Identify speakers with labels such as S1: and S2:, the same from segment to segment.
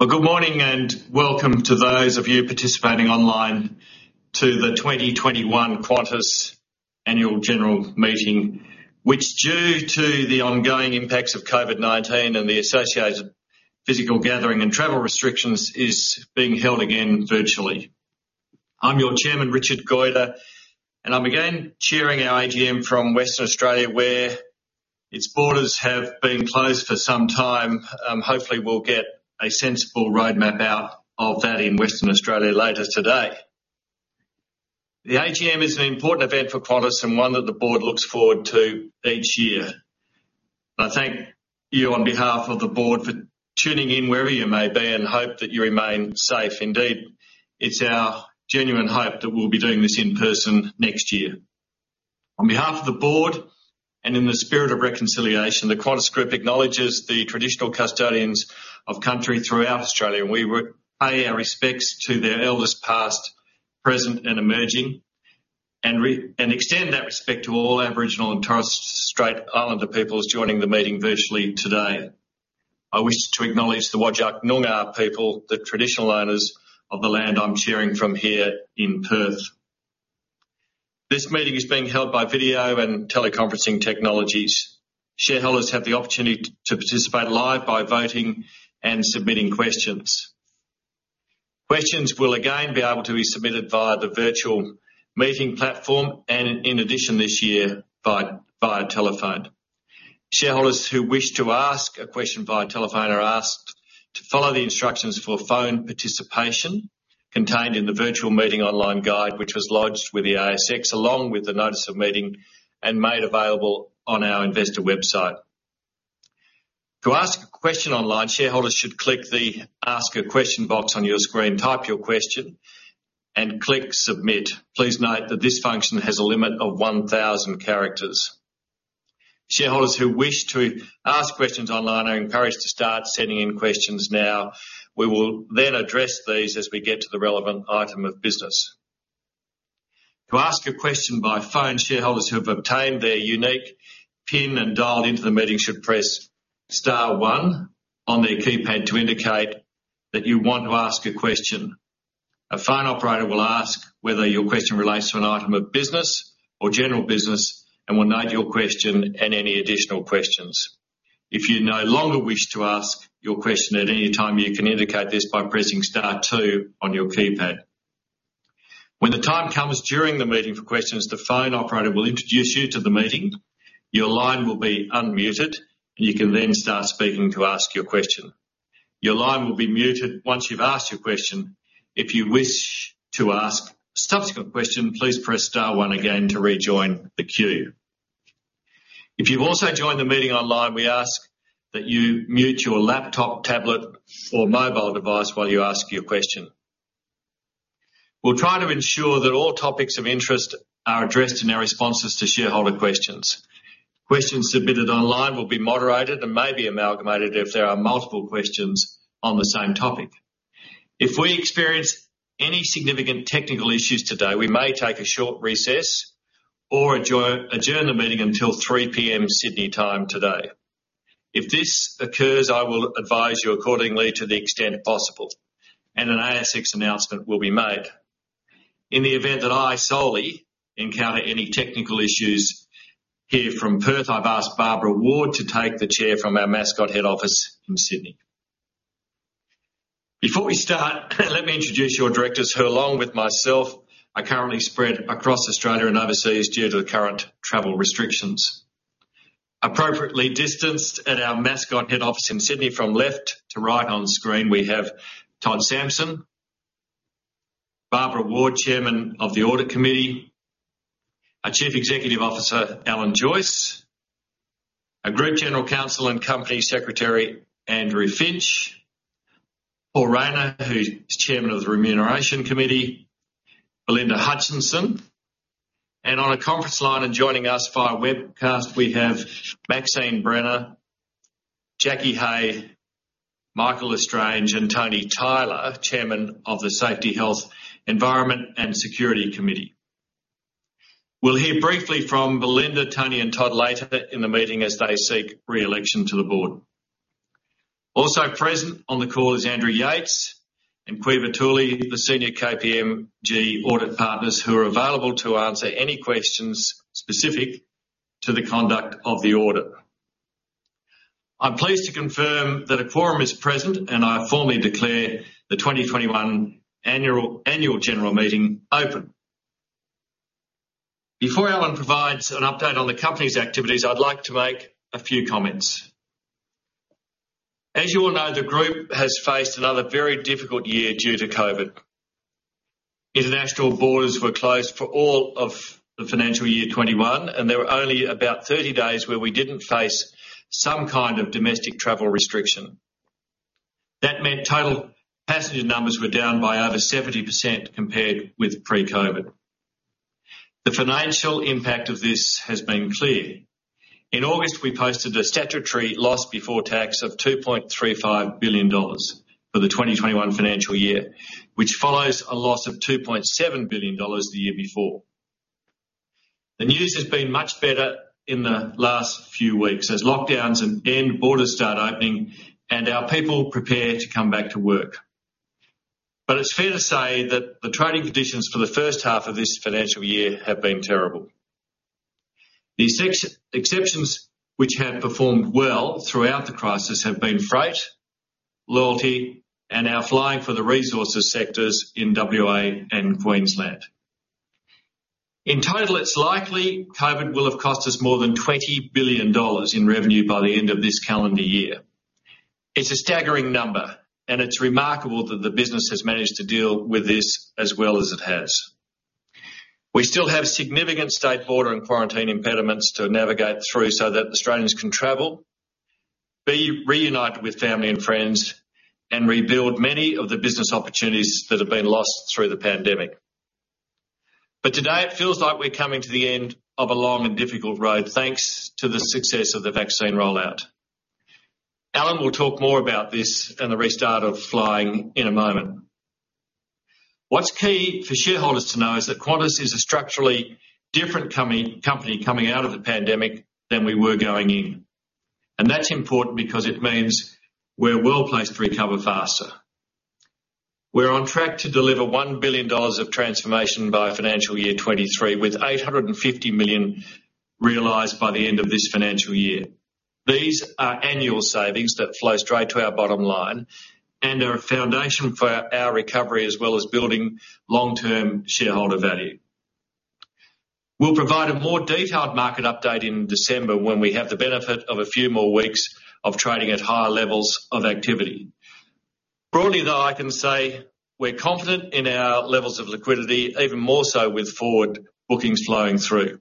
S1: Well, good morning and welcome to those of you participating online to the 2021 Qantas Annual General Meeting, which due to the ongoing impacts of COVID-19 and the associated physical gathering and travel restrictions is being held again virtually. I'm your chairman, Richard Goyder, and I'm again chairing our AGM from Western Australia where its borders have been closed for some time. Hopefully, we'll get a sensible roadmap out of that in Western Australia later today. The AGM is an important event for Qantas and one that the board looks forward to each year. I thank you on behalf of the board for tuning in wherever you may be, and hope that you remain safe. Indeed, it's our genuine hope that we'll be doing this in person next year. On behalf of the board, and in the spirit of reconciliation, the Qantas Group acknowledges the traditional custodians of country throughout Australia, and we pay our respects to their elders past, present, and emerging, and extend that respect to all Aboriginal and Torres Strait Islander peoples joining the meeting virtually today. I wish to acknowledge the Whadjuk Noongar people, the traditional owners of the land I'm chairing from here in Perth. This meeting is being held by video and teleconferencing technologies. Shareholders have the opportunity to participate live by voting and submitting questions. Questions will again be able to be submitted via the virtual meeting platform and in addition this year via telephone. Shareholders who wish to ask a question via telephone are asked to follow the instructions for phone participation contained in the virtual meeting online guide, which was lodged with the ASX along with the notice of meeting and made available on our investor website. To ask a question online, shareholders should click the Ask a Question box on your screen, type your question, and click Submit. Please note that this function has a limit of 1000 characters. Shareholders who wish to ask questions online are encouraged to start sending in questions now. We will then address these as we get to the relevant item of business. To ask a question by phone, shareholders who have obtained their unique PIN and dialed into the meeting should press star one on their keypad to indicate that you want to ask a question. A phone operator will ask whether your question relates to an item of business or general business and will note your question and any additional questions. If you no longer wish to ask your question at any time, you can indicate this by pressing star two on your keypad. When the time comes during the meeting for questions, the phone operator will introduce you to the meeting. Your line will be unmuted, and you can then start speaking to ask your question. Your line will be muted once you've asked your question. If you wish to ask a subsequent question, please press star one again to rejoin the queue. If you've also joined the meeting online, we ask that you mute your laptop, tablet, or mobile device while you ask your question. We'll try to ensure that all topics of interest are addressed in our responses to shareholder questions. Questions submitted online will be moderated and may be amalgamated if there are multiple questions on the same topic. If we experience any significant technical issues today, we may take a short recess or adjourn the meeting until 3:00 P.M. Sydney time today. If this occurs, I will advise you accordingly to the extent possible, and an ASX announcement will be made. In the event that I only encounter any technical issues here from Perth, I've asked Barbara Ward to take the chair from our Mascot head office in Sydney. Before we start, let me introduce your directors, who along with myself, are currently spread across Australia and overseas due to the current travel restrictions. Appropriately distanced at our Mascot head office in Sydney from left to right on screen, we have Todd Sampson, Barbara Ward, Chairman of the Audit Committee, our Chief Executive Officer, Alan Joyce, our Group General Counsel and Company Secretary, Andrew Finch, Paul Rayner, who's Chairman of the Remuneration Committee, Belinda Hutchinson. On a conference line and joining us via webcast, we have Maxine Brenner, Jacqueline Hey, Michael L'Estrange, and Antony Tyler, Chairman of the Safety, Health, Environment, and Security Committee. We'll hear briefly from Belinda, Tony, and Todd later in the meeting as they seek re-election to the board. Also present on the call is Andrew Yates and Kweebah Tooley, the senior KPMG audit partners who are available to answer any questions specific to the conduct of the audit. I'm pleased to confirm that a quorum is present, and I formally declare the 2021 Annual General Meeting open. Before Alan provides an update on the company's activities, I'd like to make a few comments. As you all know, the group has faced another very difficult year due to COVID. International borders were closed for all of the financial year 2021, and there were only about 30 days where we didn't face some kind of domestic travel restriction. That meant total passenger numbers were down by over 70% compared with pre-COVID. The financial impact of this has been clear. In August, we posted a statutory loss before tax of 2.35 billion dollars for the 2021 financial year, which follows a loss of 2.7 billion dollars the year before. The news has been much better in the last few weeks as lockdowns end, borders start opening, and our people prepare to come back to work. It's fair to say that the trading conditions for the first half of this financial year have been terrible. The exceptions which have performed well throughout the crisis have been freight, loyalty, and our flying for the resources sectors in WA and Queensland. In total, it's likely COVID will have cost us more than 20 billion dollars in revenue by the end of this calendar year. It's a staggering number, and it's remarkable that the business has managed to deal with this as well as it has. We still have significant state border and quarantine impediments to navigate through so that Australians can travel, be reunited with family and friends, and rebuild many of the business opportunities that have been lost through the pandemic. Today it feels like we're coming to the end of a long and difficult road, thanks to the success of the vaccine rollout. Alan will talk more about this and the restart of flying in a moment. What's key for shareholders to know is that Qantas is a structurally different company coming out of the pandemic than we were going in, and that's important because it means we're well-placed to recover faster. We're on track to deliver 1 billion dollars of transformation by financial year 2023, with 850 million realized by the end of this financial year. These are annual savings that flow straight to our bottom line and are a foundation for our recovery, as well as building long-term shareholder value. We'll provide a more detailed market update in December when we have the benefit of a few more weeks of trading at higher levels of activity. Broadly, though, I can say we're confident in our levels of liquidity, even more so with forward bookings flowing through.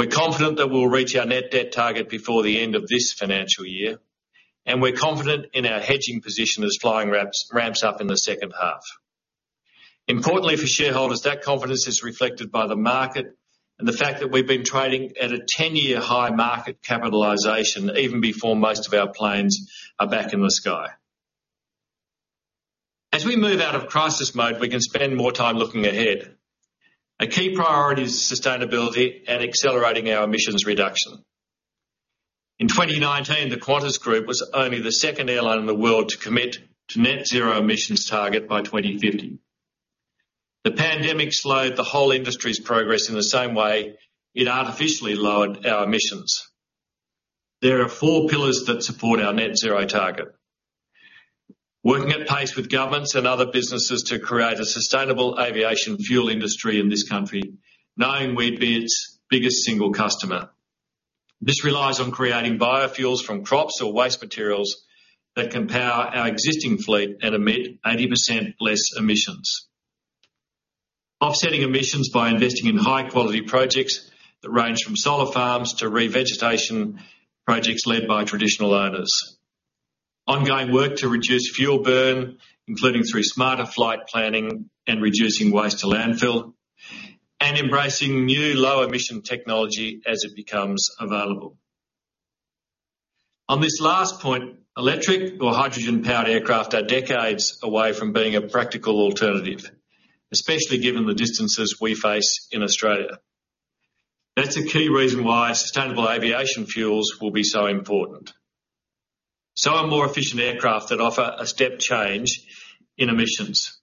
S1: We're confident that we'll reach our net debt target before the end of this financial year, and we're confident in our hedging position as flying ramps up in the second half. Importantly, for shareholders, that confidence is reflected by the market and the fact that we've been trading at a 10-year high market capitalization even before most of our planes are back in the sky. As we move out of crisis mode, we can spend more time looking ahead. A key priority is sustainability and accelerating our emissions reduction. In 2019, the Qantas Group was only the second airline in the world to commit to net zero emissions target by 2050. The pandemic slowed the whole industry's progress in the same way it artificially lowered our emissions. There are four pillars that support our net zero target. Working at pace with governments and other businesses to create a sustainable aviation fuel industry in this country, knowing we'd be its biggest single customer. This relies on creating biofuels from crops or waste materials that can power our existing fleet and emit 80% less emissions. Offsetting emissions by investing in high-quality projects that range from solar farms to revegetation projects led by traditional owners. Ongoing work to reduce fuel burn, including through smarter flight planning and reducing waste to landfill, and embracing new low-emission technology as it becomes available. On this last point, electric or hydrogen-powered aircraft are decades away from being a practical alternative, especially given the distances we face in Australia. That's a key reason why sustainable aviation fuels will be so important, so are more efficient aircraft that offer a step change in emissions.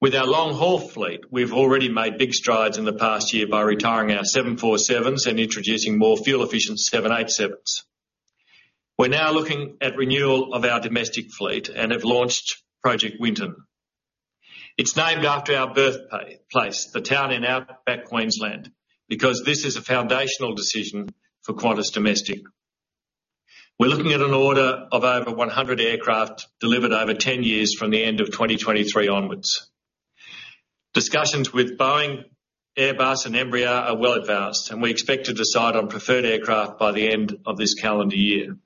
S1: With our long-haul fleet, we've already made big strides in the past year by retiring our 747s and introducing more fuel-efficient 787s. We're now looking at renewal of our domestic fleet and have launched Project Winton. It's named after our birthplace, the town in outback Queensland, because this is a foundational decision for Qantas Domestic. We're looking at an order of over 100 aircraft delivered over 10 years from the end of 2023 onwards. Discussions with Boeing, Airbus and Embraer are well advanced, and we expect to decide on preferred aircraft by the end of this calendar year.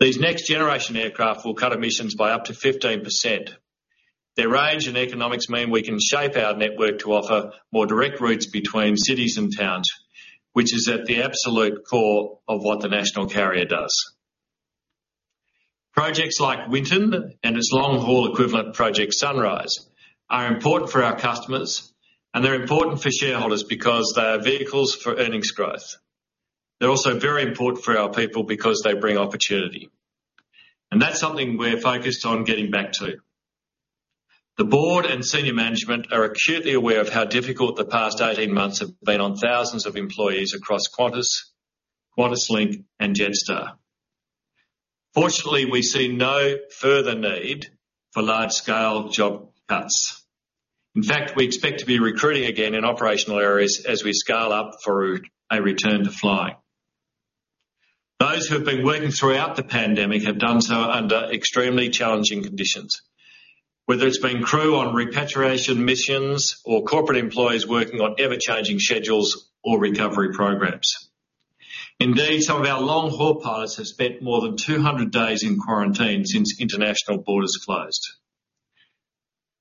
S1: These next-generation aircraft will cut emissions by up to 15%. Their range and economics mean we can shape our network to offer more direct routes between cities and towns, which is at the absolute core of what the national carrier does. Projects like Winton and its long-haul equivalent, Project Sunrise, are important for our customers, and they're important for shareholders because they are vehicles for earnings growth. They're also very important for our people because they bring opportunity, and that's something we're focused on getting back to. The board and senior management are acutely aware of how difficult the past 18 months have been on thousands of employees across Qantas, QantasLink and Jetstar. Fortunately, we see no further need for large-scale job cuts. In fact, we expect to be recruiting again in operational areas as we scale up for a return to flying. Those who have been working throughout the pandemic have done so under extremely challenging conditions, whether it's been crew on repatriation missions or corporate employees working on ever-changing schedules or recovery programs. Indeed, some of our long-haul pilots have spent more than 200 days in quarantine since international borders closed.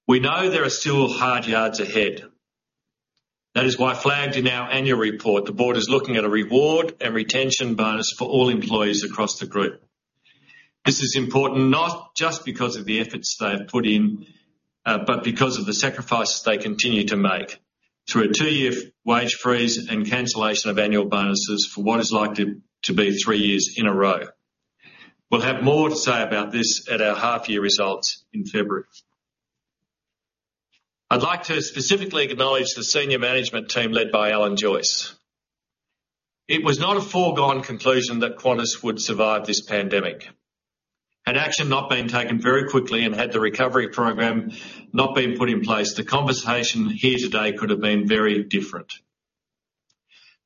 S1: We know there are still hard yards ahead. That is why flagged in our annual report, the board is looking at a reward and retention bonus for all employees across the group. This is important not just because of the efforts they have put in, but because of the sacrifices they continue to make through a two-year wage freeze and cancellation of annual bonuses for what is likely to be 3 years in a row. We'll have more to say about this at our half-year results in February. I'd like to specifically acknowledge the senior management team led by Alan Joyce. It was not a foregone conclusion that Qantas would survive this pandemic. Had action not been taken very quickly and had the recovery program not been put in place, the conversation here today could have been very different.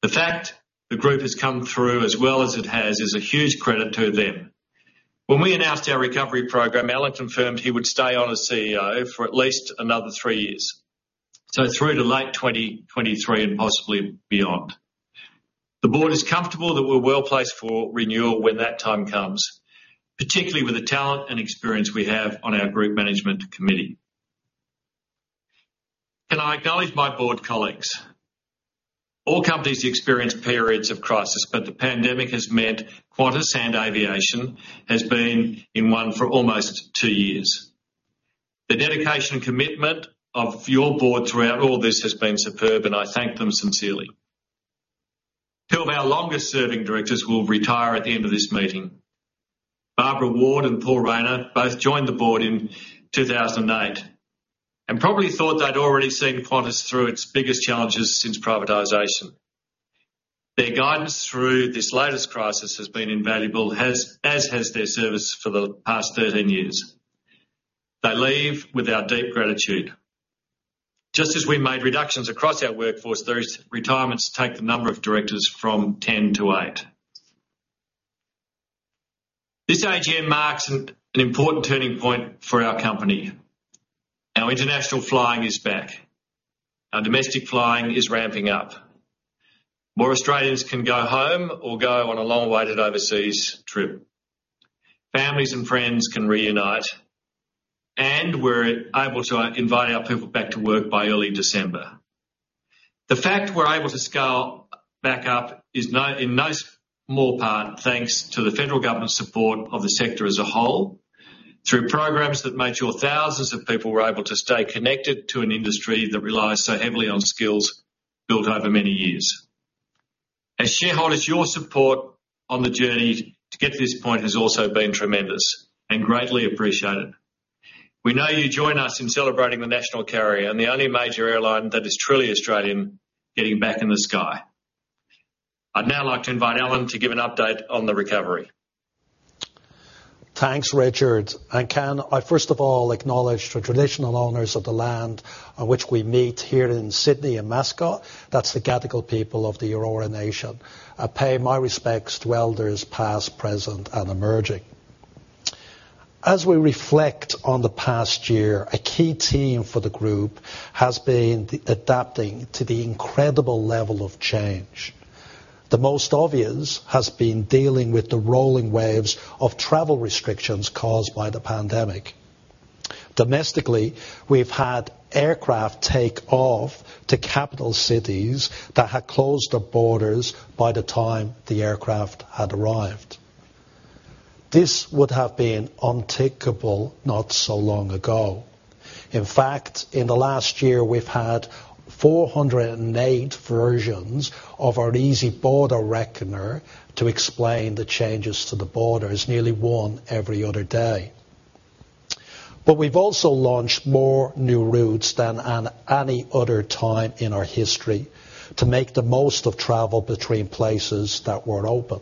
S1: The fact the group has come through as well as it has is a huge credit to them. When we announced our recovery program, Alan confirmed he would stay on as CEO for at least another three years, so through to late 2023 and possibly beyond. The board is comfortable that we're well-placed for renewal when that time comes, particularly with the talent and experience we have on our group management committee. Can I acknowledge my board colleagues? All companies experience periods of crisis, but the pandemic has meant Qantas and aviation has been in one for almost two years. The dedication and commitment of your board throughout all this has been superb, and I thank them sincerely. Two of our longest-serving directors will retire at the end of this meeting. Barbara Ward and Paul Rayner both joined the board in 2008 and probably thought they'd already seen Qantas through its biggest challenges since privatization. Their guidance through this latest crisis has been invaluable, as has their service for the past 13 years. They leave with our deep gratitude. Just as we made reductions across our workforce, those retirements take the number of directors from 10 to 8. This AGM marks an important turning point for our company. Our international flying is back. Our domestic flying is ramping up. More Australians can go home or go on a long-awaited overseas trip. Families and friends can reunite, and we're able to invite our people back to work by early December. The fact we're able to scale back up is no small part thanks to the federal government support of the sector as a whole through programs that made sure thousands of people were able to stay connected to an industry that relies so heavily on skills built over many years. As shareholders, your support on the journey to get to this point has also been tremendous and greatly appreciated. We know you join us in celebrating the national carrier and the only major airline that is truly Australian getting back in the sky. I'd now like to invite Alan to give an update on the recovery.
S2: Thanks Richard. Can I, first of all, acknowledge the traditional owners of the land on which we meet here in Sydney in Mascot? That's the Gadigal people of the Eora Nation. I pay my respects to elders past, present, and emerging. As we reflect on the past year, a key theme for the group has been adapting to the incredible level of change. The most obvious has been dealing with the rolling waves of travel restrictions caused by the pandemic. Domestically, we've had aircraft take off to capital cities that had closed the borders by the time the aircraft had arrived. This would have been unthinkable not so long ago. In fact, in the last year, we've had 408 versions of our Easy Border Reckoner to explain the changes to the borders, nearly one every other day. We've also launched more new routes than on any other time in our history to make the most of travel between places that were open.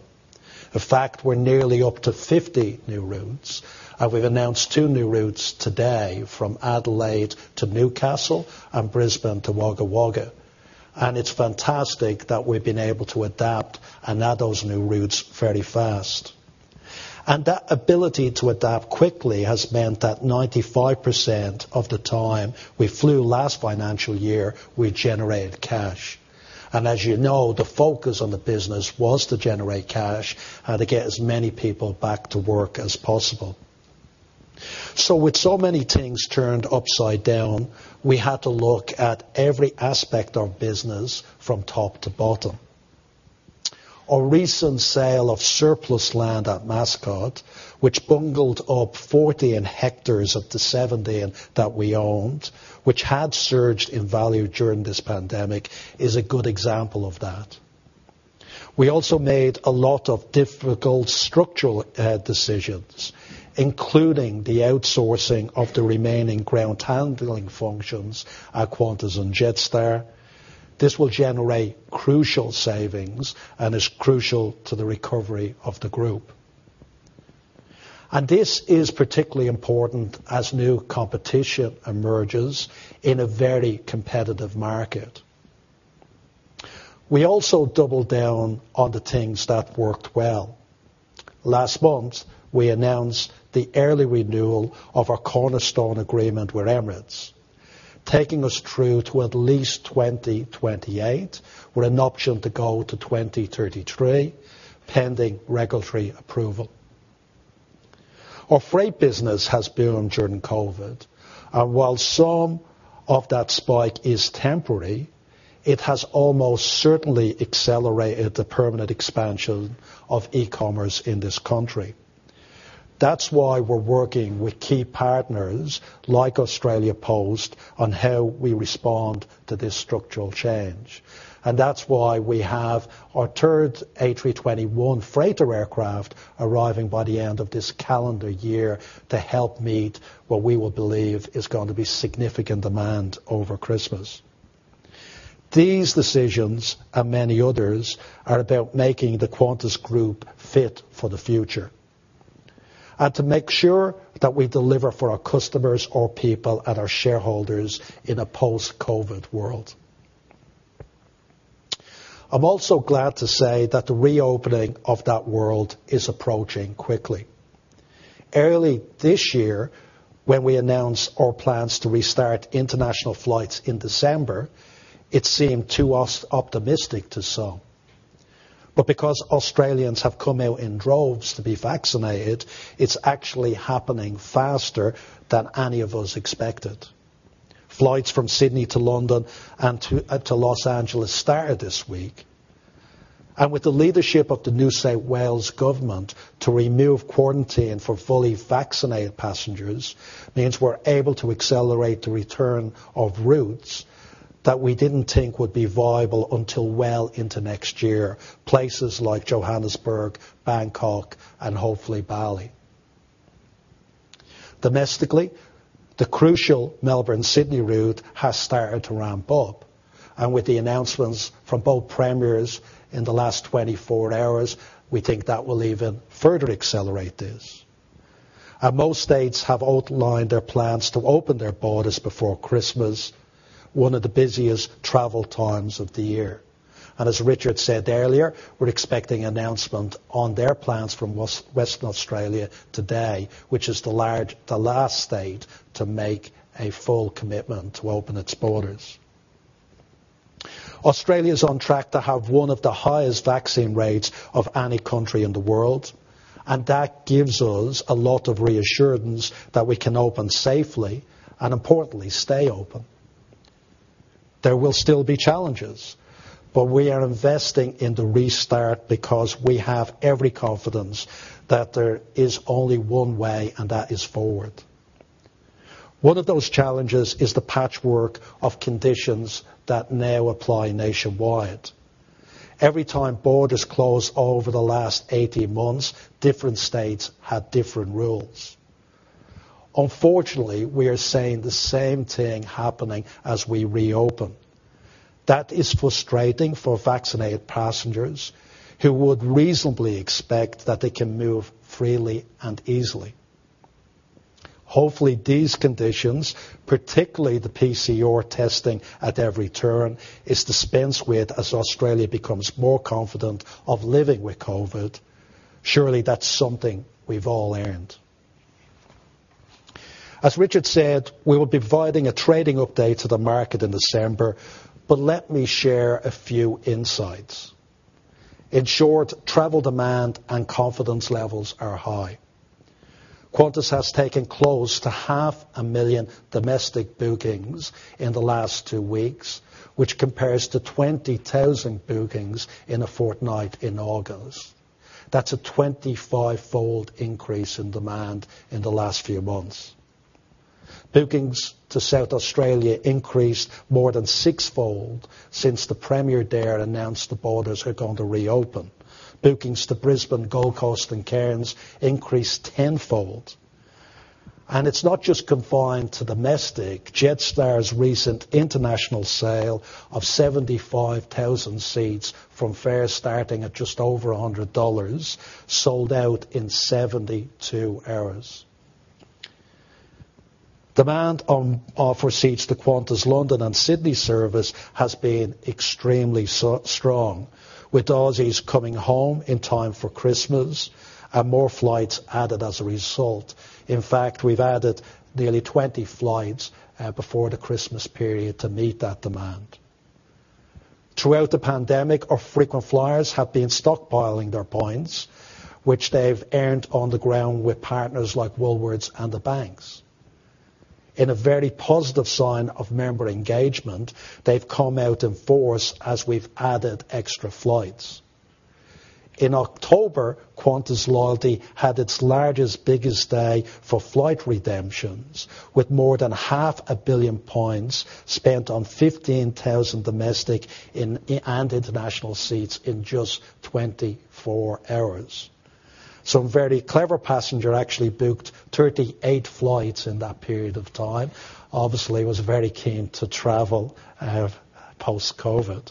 S2: In fact, we're nearly up to 50 new routes, and we've announced 2 new routes today from Adelaide to Newcastle and Brisbane to Wagga Wagga. It's fantastic that we've been able to adapt and add those new routes very fast. That ability to adapt quickly has meant that 95% of the time we flew last financial year, we generated cash. As you know, the focus on the business was to generate cash and to get as many people back to work as possible. With so many things turned upside down, we had to look at every aspect of business from top to bottom. Our recent sale of surplus land at Mascot, which bundled up 14 hectares of the 17 that we owned, which had surged in value during this pandemic, is a good example of that. We also made a lot of difficult structural decisions, including the outsourcing of the remaining ground handling functions at Qantas and Jetstar. This will generate crucial savings and is crucial to the recovery of the group. This is particularly important as new competition emerges in a very competitive market. We also doubled down on the things that worked well. Last month, we announced the early renewal of our cornerstone agreement with Emirates, taking us through to at least 2028, with an option to go to 2033, pending regulatory approval. Our freight business has boomed during COVID, and while some of that spike is temporary, it has almost certainly accelerated the permanent expansion of e-commerce in this country. That's why we're working with key partners like Australia Post on how we respond to this structural change, and that's why we have our third A321 freighter aircraft arriving by the end of this calendar year to help meet what we will believe is going to be significant demand over Christmas. These decisions and many others are about making the Qantas Group fit for the future, and to make sure that we deliver for our customers, our people, and our shareholders in a post-COVID world. I'm also glad to say that the reopening of that world is approaching quickly. Early this year, when we announced our plans to restart international flights in December, it seemed too optimistic to some. Because Australians have come out in droves to be vaccinated, it's actually happening faster than any of us expected. Flights from Sydney to London and to Los Angeles started this week. With the leadership of the New South Wales government to remove quarantine for fully vaccinated passengers means we're able to accelerate the return of routes that we didn't think would be viable until well into next year, places like Johannesburg, Bangkok, and hopefully Bali. Domestically, the crucial Melbourne-Sydney route has started to ramp up, and with the announcements from both premiers in the last 24 hours, we think that will even further accelerate this. Most states have outlined their plans to open their borders before Christmas, one of the busiest travel times of the year. As Richard said earlier, we're expecting announcement on their plans from Western Australia today, which is the last state to make a full commitment to open its borders. Australia is on track to have one of the highest vaccine rates of any country in the world, and that gives us a lot of reassurance that we can open safely and importantly stay open. There will still be challenges, but we are investing in the restart because we have every confidence that there is only one way, and that is forward. One of those challenges is the patchwork of conditions that now apply nationwide. Every time borders closed over the last 18 months, different states had different rules. Unfortunately, we are seeing the same thing happening as we reopen. That is frustrating for vaccinated passengers who would reasonably expect that they can move freely and easily. Hopefully, these conditions, particularly the PCR testing at every turn, is dispensed with as Australia becomes more confident of living with COVID. Surely that's something we've all earned. As Richard said, we will be providing a trading update to the market in December, but let me share a few insights. In short, travel demand and confidence levels are high. Qantas has taken close to half a million Domestic bookings in the last 2 weeks, which compares to 20,000 bookings in a fortnight in August. That's a 25-fold increase in demand in the last few months. Bookings to South Australia increased more than 6-fold since the Premier there announced the borders are going to reopen. Bookings to Brisbane, Gold Coast, and Cairns increased 10-fold. It's not just confined to domestic. Jetstar's recent international sale of 75,000 seats from fares starting at just over 100 dollars sold out in 72 hours. Demand on offer seats to Qantas London and Sydney service has been extremely strong, with Aussies coming home in time for Christmas and more flights added as a result. In fact, we've added nearly 20 flights before the Christmas period to meet that demand. Throughout the pandemic, our frequent flyers have been stockpiling their points, which they've earned on the ground with partners like Woolworths and the banks. In a very positive sign of member engagement, they've come out in force as we've added extra flights. In October, Qantas Loyalty had its largest, biggest day for flight redemptions, with more than 500 million points spent on 15,000 domestic and international seats in just 24 hours. Some very clever passenger actually booked 38 flights in that period of time. Obviously, was very keen to travel post-COVID.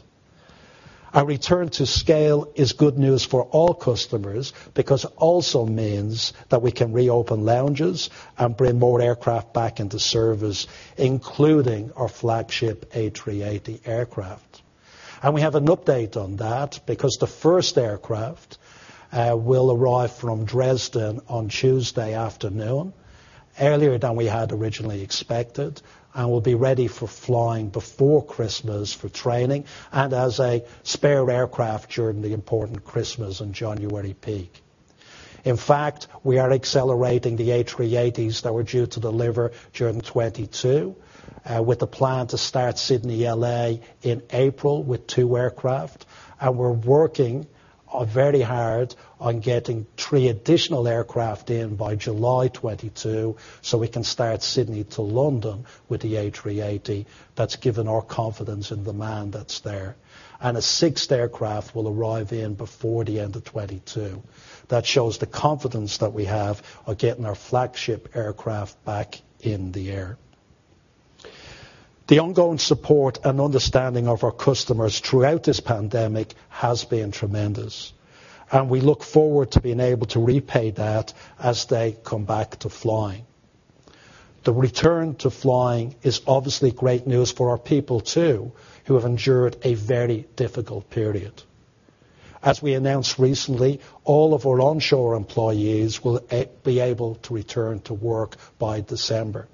S2: Our return to scale is good news for all customers because it also means that we can reopen lounges and bring more aircraft back into service, including our flagship A380 aircraft. We have an update on that because the first aircraft will arrive from Dresden on Tuesday afternoon, earlier than we had originally expected, and will be ready for flying before Christmas for training and as a spare aircraft during the important Christmas and January peak. In fact, we are accelerating the A380s that were due to deliver during 2022 with the plan to start Sydney-L.A. in April with two aircraft. We're working very hard on getting three additional aircraft in by July 2022, so we can start Sydney to London with the A380. That's given our confidence in demand that's there. A sixth aircraft will arrive in before the end of 2022. That shows the confidence that we have of getting our flagship aircraft back in the air. The ongoing support and understanding of our customers throughout this pandemic has been tremendous, and we look forward to being able to repay that as they come back to flying. The return to flying is obviously great news for our people too, who have endured a very difficult period. As we announced recently, all of our onshore employees will be able to return to work by December.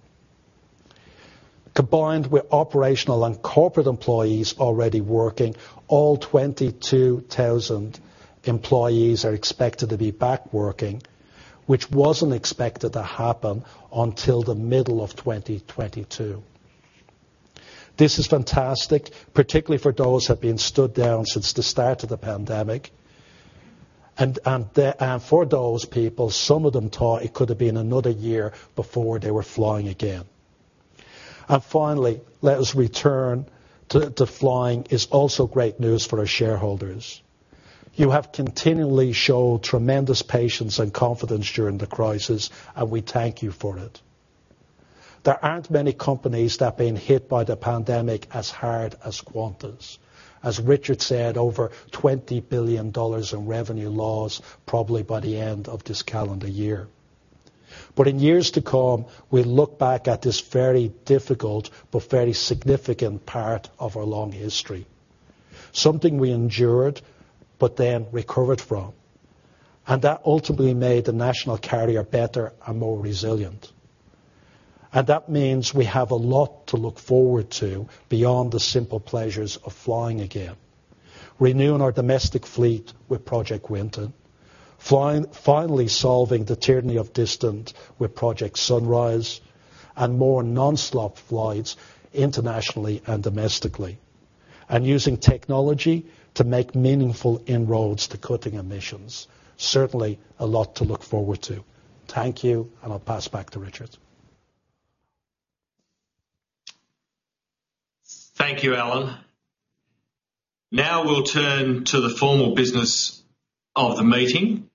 S2: Combined with operational and corporate employees already working, all 22,000 employees are expected to be back working, which wasn't expected to happen until the middle of 2022. This is fantastic, particularly for those who have been stood down since the start of the pandemic. For those people, some of them thought it could have been another year before they were flying again. Finally, let us return to flying is also great news for our shareholders. You have continually showed tremendous patience and confidence during the crisis, and we thank you for it. There aren't many companies that have been hit by the pandemic as hard as Qantas. As Richard said, over 20 billion dollars in revenue loss probably by the end of this calendar year. In years to come, we look back at this very difficult but very significant part of our long history. Something we endured but then recovered from, and that ultimately made the national carrier better and more resilient. That means we have a lot to look forward to beyond the simple pleasures of flying again. Renewing our domestic fleet with Project Winton, finally solving the tyranny of distance with Project Sunrise, and more non-stop flights internationally and domestically. Using technology to make meaningful inroads to cutting emissions. Certainly, a lot to look forward to. Thank you and I'll pass back to Richard.
S1: Thank you Alan. Now we'll turn to the formal business of the meeting,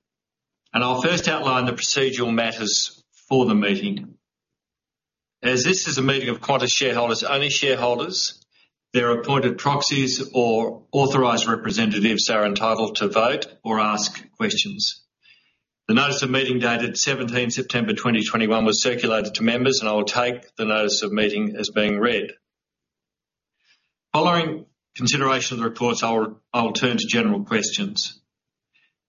S1: and I'll first outline the procedural matters for the meeting. As this is a meeting of Qantas shareholders, only shareholders, their appointed proxies or authorized representatives are entitled to vote or ask questions. The notice of meeting dated 17th September 2021 was circulated to members, and I will take the notice of meeting as being read. Following consideration of the reports, I will turn to general questions.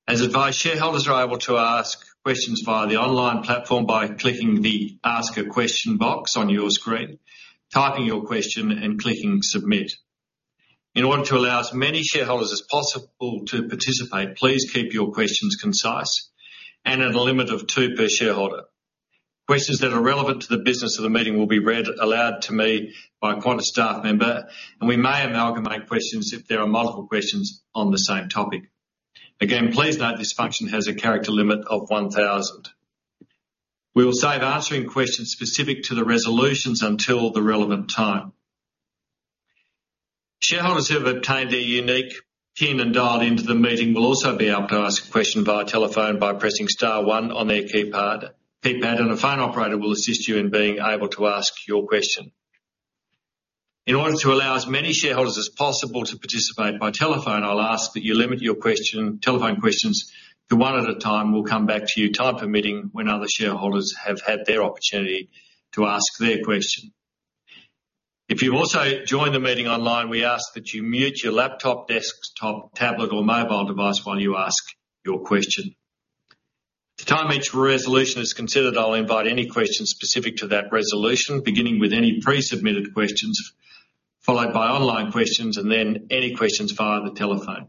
S1: As advised, shareholders are able to ask questions via the online platform by clicking the Ask a question box on your screen, typing your question, and clicking Submit. In order to allow as many shareholders as possible to participate, please keep your questions concise and at a limit of 2 per shareholder. Questions that are relevant to the business of the meeting will be read aloud to me by a Qantas staff member, and we may amalgamate questions if there are multiple questions on the same topic. Again, please note this function has a character limit of 1000. We will save answering questions specific to the resolutions until the relevant time. Shareholders who have obtained their unique PIN and dialed into the meeting will also be able to ask a question via telephone by pressing star one on their keypad, and a phone operator will assist you in being able to ask your question. In order to allow as many shareholders as possible to participate by telephone, I'll ask that you limit your question, telephone questions to one at a time. We'll come back to you time permitting when other shareholders have had their opportunity to ask their question. If you've also joined the meeting online, we ask that you mute your laptop, desktop, tablet or mobile device while you ask your question. Each time each resolution is considered, I'll invite any questions specific to that resolution, beginning with any pre-submitted questions, followed by online questions, and then any questions via the telephone.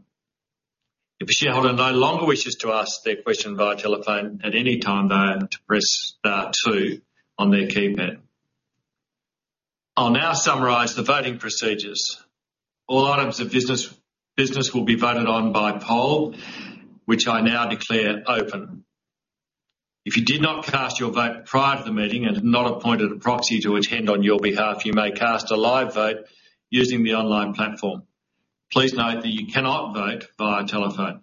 S1: If a shareholder no longer wishes to ask their question via telephone, at any time they are to press star two on their keypad. I'll now summarize the voting procedures. All items of business will be voted on by poll, which I now declare open. If you did not cast your vote prior to the meeting and have not appointed a proxy to attend on your behalf, you may cast a live vote using the online platform. Please note that you cannot vote via telephone.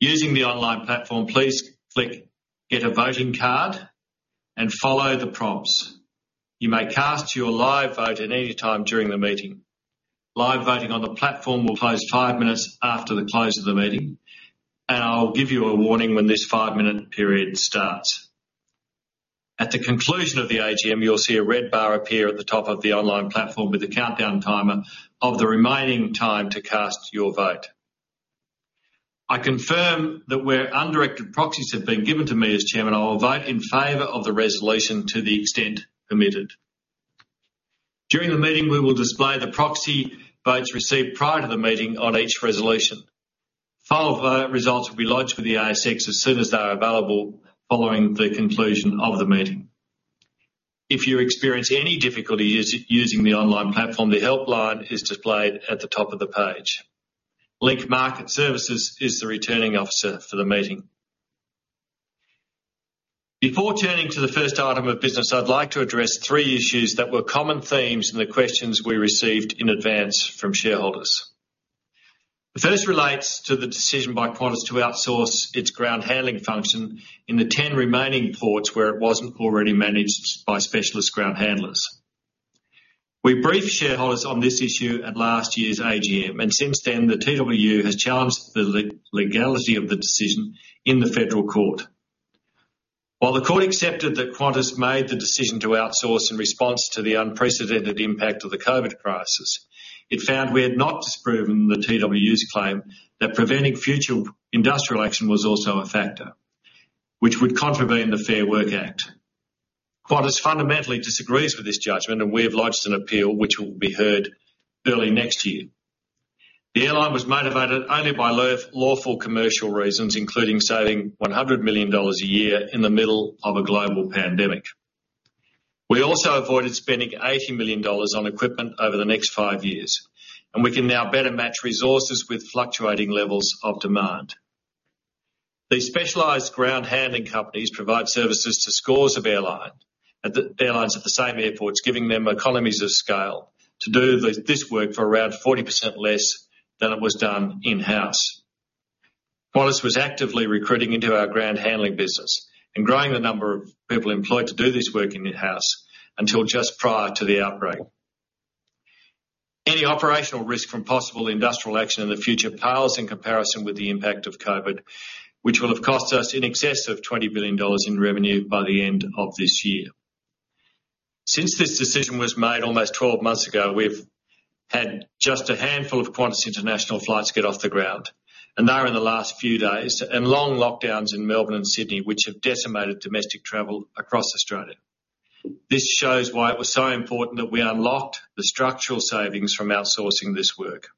S1: Using the online platform, please click Get a voting card and follow the prompts. You may cast your live vote at any time during the meeting. Live voting on the platform will close five minutes after the close of the meeting, and I'll give you a warning when this five-minute period starts. At the conclusion of the AGM, you'll see a red bar appear at the top of the online platform with a countdown timer of the remaining time to cast your vote. I confirm that where undirected proxies have been given to me as chairman, I will vote in favor of the resolution to the extent permitted. During the meeting, we will display the proxy votes received prior to the meeting on each resolution. Poll vote results will be lodged with the ASX as soon as they are available following the conclusion of the meeting. If you experience any difficulty using the online platform, the help line is displayed at the top of the page. Link Market Services is the returning officer for the meeting. Before turning to the first item of business, I'd like to address three issues that were common themes in the questions we received in advance from shareholders. The first relates to the decision by Qantas to outsource its ground handling function in the 10 remaining ports where it wasn't already managed by specialist ground handlers. We briefed shareholders on this issue at last year's AGM, and since then, the TWU has challenged the legality of the decision in the Federal Court. While the court accepted that Qantas made the decision to outsource in response to the unprecedented impact of the COVID crisis, it found we had not disproven the TWU's claim that preventing future industrial action was also a factor which would contravene the Fair Work Act. Qantas fundamentally disagrees with this judgment, and we have lodged an appeal which will be heard early next year. The airline was motivated only by lawful commercial reasons, including saving 100 million dollars a year in the middle of a global pandemic. We also avoided spending 80 million dollars on equipment over the next five years, and we can now better match resources with fluctuating levels of demand. These specialized ground handling companies provide services to scores of airlines at the same airports, giving them economies of scale to do this work for around 40% less than it was done in-house. Qantas was actively recruiting into our ground handling business and growing the number of people employed to do this work in-house until just prior to the outbreak. Any operational risk from possible industrial action in the future pales in comparison with the impact of COVID, which will have cost us in excess of 20 billion dollars in revenue by the end of this year. Since this decision was made almost 12 months ago, we've had just a handful of Qantas international flights get off the ground, and they were in the last few days, and long lockdowns in Melbourne and Sydney, which have decimated domestic travel across Australia. This shows why it was so important that we unlocked the structural savings from outsourcing this work.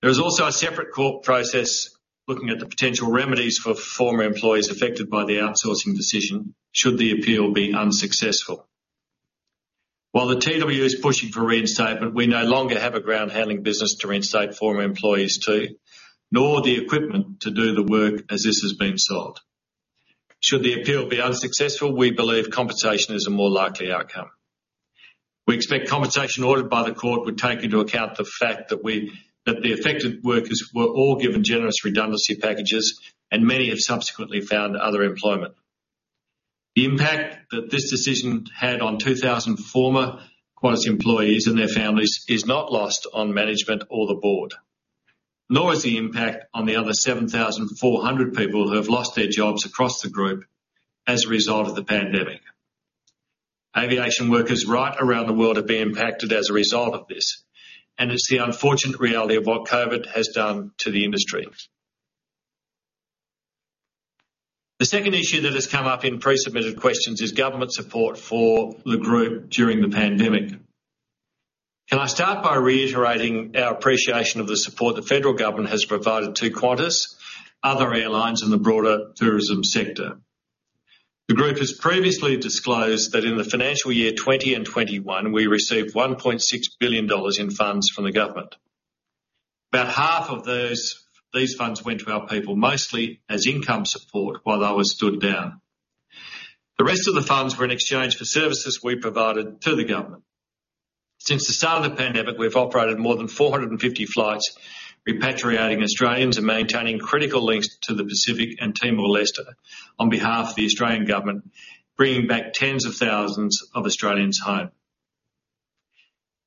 S1: There is also a separate court process looking at the potential remedies for former employees affected by the outsourcing decision should the appeal be unsuccessful. While the TWU is pushing for reinstatement, we no longer have a ground handling business to reinstate former employees to, nor the equipment to do the work as this has been sold. Should the appeal be unsuccessful, we believe compensation is a more likely outcome. We expect compensation ordered by the court would take into account the fact that the affected workers were all given generous redundancy packages and many have subsequently found other employment The impact that this decision had on 2,000 former Qantas employees and their families is not lost on management or the board, nor is the impact on the other 7,400 people who have lost their jobs across the group as a result of the pandemic. Aviation workers right around the world have been impacted as a result of this, and it's the unfortunate reality of what COVID-19 has done to the industry. The second issue that has come up in pre-submitted questions is government support for the group during the pandemic. Can I start by reiterating our appreciation of the support the federal government has provided to Qantas, other airlines in the broader tourism sector? The group has previously disclosed that in the financial year 2020 and 2021, we received 1.6 billion dollars in funds from the government. About half of those, these funds went to our people, mostly as income support while they were stood down. The rest of the funds were in exchange for services we provided to the government. Since the start of the pandemic, we've operated more than 450 flights repatriating Australians and maintaining critical links to the Pacific and Timor-Leste on behalf of the Australian government, bringing back tens of thousands of Australians home.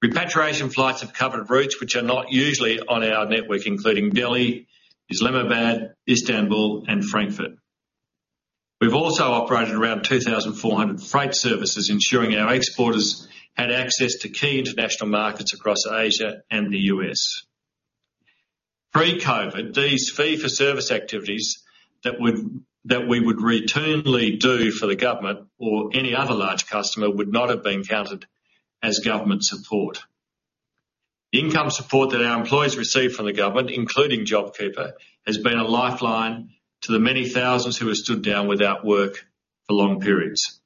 S1: Repatriation flights have covered routes which are not usually on our network, including Delhi, Islamabad, Istanbul, and Frankfurt. We've also operated around 2,400 freight services, ensuring our exporters had access to key international markets across Asia and the U.S. Pre-COVID, these fee for service activities that we would routinely do for the government or any other large customer would not have been counted as government support. The income support that our employees received from the government, including JobKeeper, has been a lifeline to the many thousands who were stood down without work for long periods.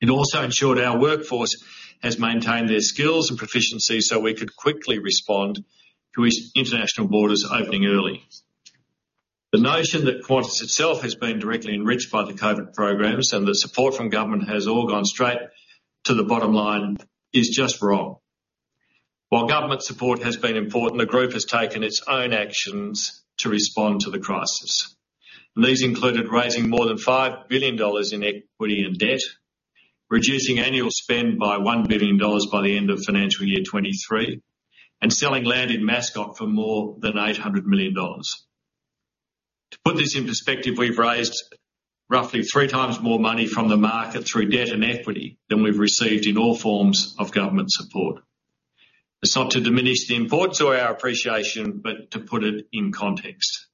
S1: It also ensured our workforce has maintained their skills and proficiency so we could quickly respond to each international borders opening early. The notion that Qantas itself has been directly enriched by the COVID-19 programs and the support from government has all gone straight to the bottom line is just wrong. While government support has been important, the group has taken its own actions to respond to the crisis. These included raising more than 5 billion dollars in equity and debt, reducing annual spend by 1 billion dollars by the end of FY 2023, and selling land in Mascot for more than 800 million dollars. To put this in perspective, we've raised roughly three times more money from the market through debt and equity than we've received in all forms of government support. It's not to diminish the importance or our appreciation, but to put it in context.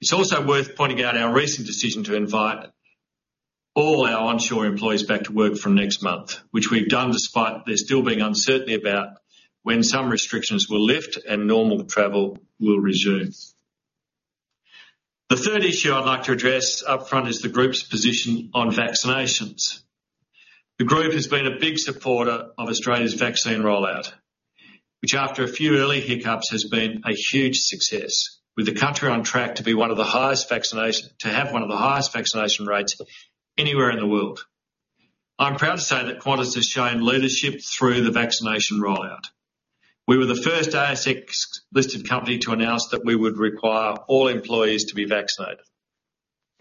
S1: It's also worth pointing out our recent decision to invite all our onshore employees back to work from next month, which we've done despite there still being uncertainty about when some restrictions will lift and normal travel will resume. The third issue I'd like to address upfront is the group's position on vaccinations. The group has been a big supporter of Australia's vaccine rollout, which after a few early hiccups, has been a huge success, with the country on track to have one of the highest vaccination rates anywhere in the world. I'm proud to say that Qantas has shown leadership through the vaccination rollout. We were the first ASX-listed company to announce that we would require all employees to be vaccinated.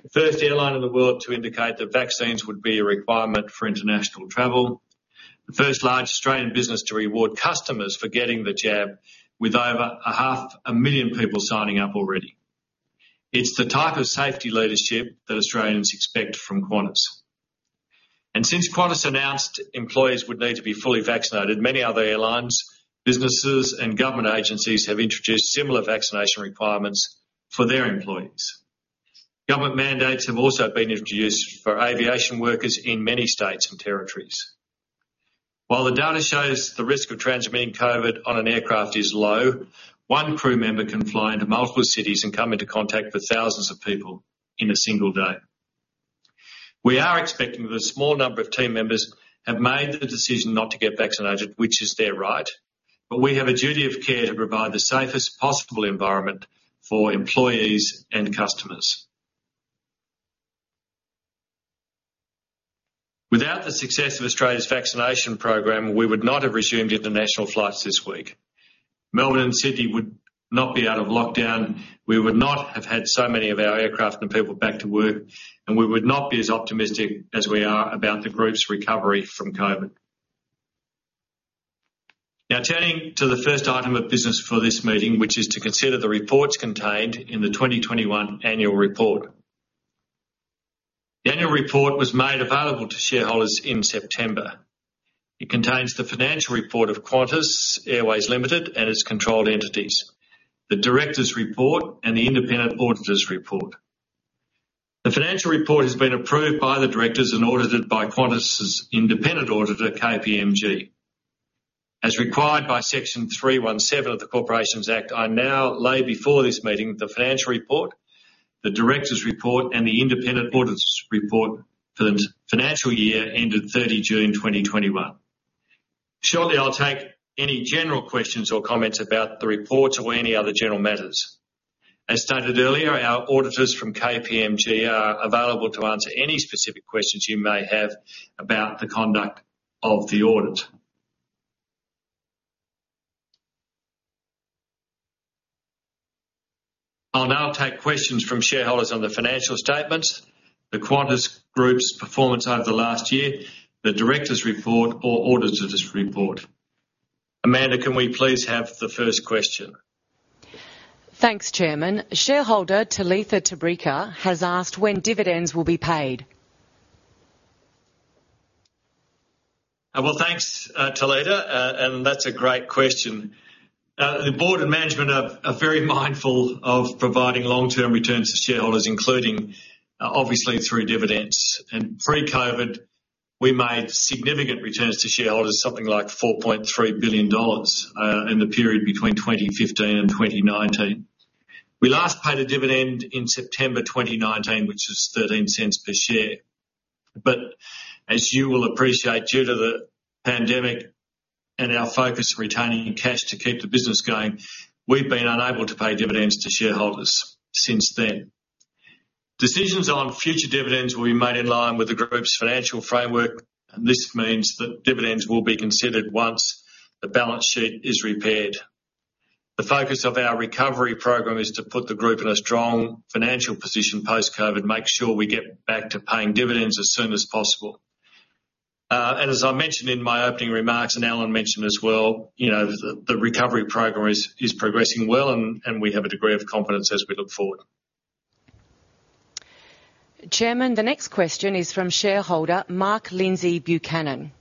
S1: The first airline in the world to indicate that vaccines would be a requirement for international travel. The first large Australian business to reward customers for getting the jab with over half a million people signing up already. It's the type of safety leadership that Australians expect from Qantas. Since Qantas announced employees would need to be fully vaccinated, many other airlines, businesses, and government agencies have introduced similar vaccination requirements for their employees. Government mandates have also been introduced for aviation workers in many states and territories. While the data shows the risk of transmitting COVID on an aircraft is low, one crew member can fly into multiple cities and come into contact with thousands of people in a single day. We are expecting that a small number of team members have made the decision not to get vaccinated, which is their right, but we have a duty of care to provide the safest possible environment for employees and customers. Without the success of Australia's vaccination program, we would not have resumed international flights this week. Melbourne City would not be out of lockdown, we would not have had so many of our aircraft and people back to work, and we would not be as optimistic as we are about the group's recovery from COVID. Now turning to the first item of business for this meeting, which is to consider the reports contained in the 2021 annual report. The annual report was made available to shareholders in September. It contains the financial report of Qantas Airways Limited and its controlled entities, the directors' report, and the independent auditors' report. The financial report has been approved by the directors and audited by Qantas's independent auditor, KPMG. As required by Section 317 of the Corporations Act, I now lay before this meeting the financial report, the directors' report, and the independent auditors' report for the financial year ended 30th June 2021. Shortly, I'll take any general questions or comments about the report or any other general matters. As stated earlier, our auditors from KPMG are available to answer any specific questions you may have about the conduct of the audit. I'll now take questions from shareholders on the financial statements, the Qantas Group's performance over the last year, the directors' report or auditors' report. Amanda, can we please have the first question?
S3: Thanks Chairman. Shareholder Talitha Tabrica has asked when dividends will be paid.
S1: Well, thanks Talitha. That's a great question. The board and management are very mindful of providing long-term returns to shareholders, including obviously through dividends. Pre-COVID, we made significant returns to shareholders, something like 4.3 billion dollars in the period between 2015 and 2019. We last paid a dividend in September 2019, which was 0.13 per share. As you will appreciate, due to the pandemic and our focus retaining cash to keep the business going, we've been unable to pay dividends to shareholders since then. Decisions on future dividends will be made in line with the group's financial framework, and this means that dividends will be considered once the balance sheet is repaired. The focus of our recovery program is to put the group in a strong financial position post-COVID, make sure we get back to paying dividends as soon as possible. As I mentioned in my opening remarks, and Alan mentioned as well, you know, the recovery program is progressing well and we have a degree of confidence as we look forward.
S3: Chairman the next question is from shareholder Mark Lindsay Buchanan.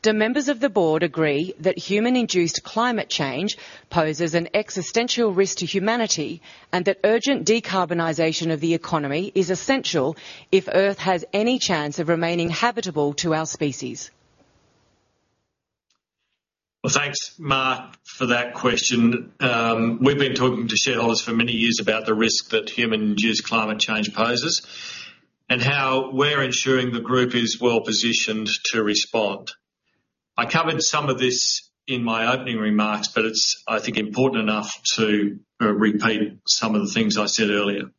S3: Do members of the board agree that human-induced climate change poses an existential risk to humanity and that urgent decarbonization of the economy is essential if Earth has any chance of remaining habitable to our species?
S1: Well, thanks Mark for that question. We've been talking to shareholders for many years about the risk that human-induced climate change poses and how we're ensuring the group is well-positioned to respond. I covered some of this in my opening remarks, but it's, I think, important enough to repeat some of the things I said earlier.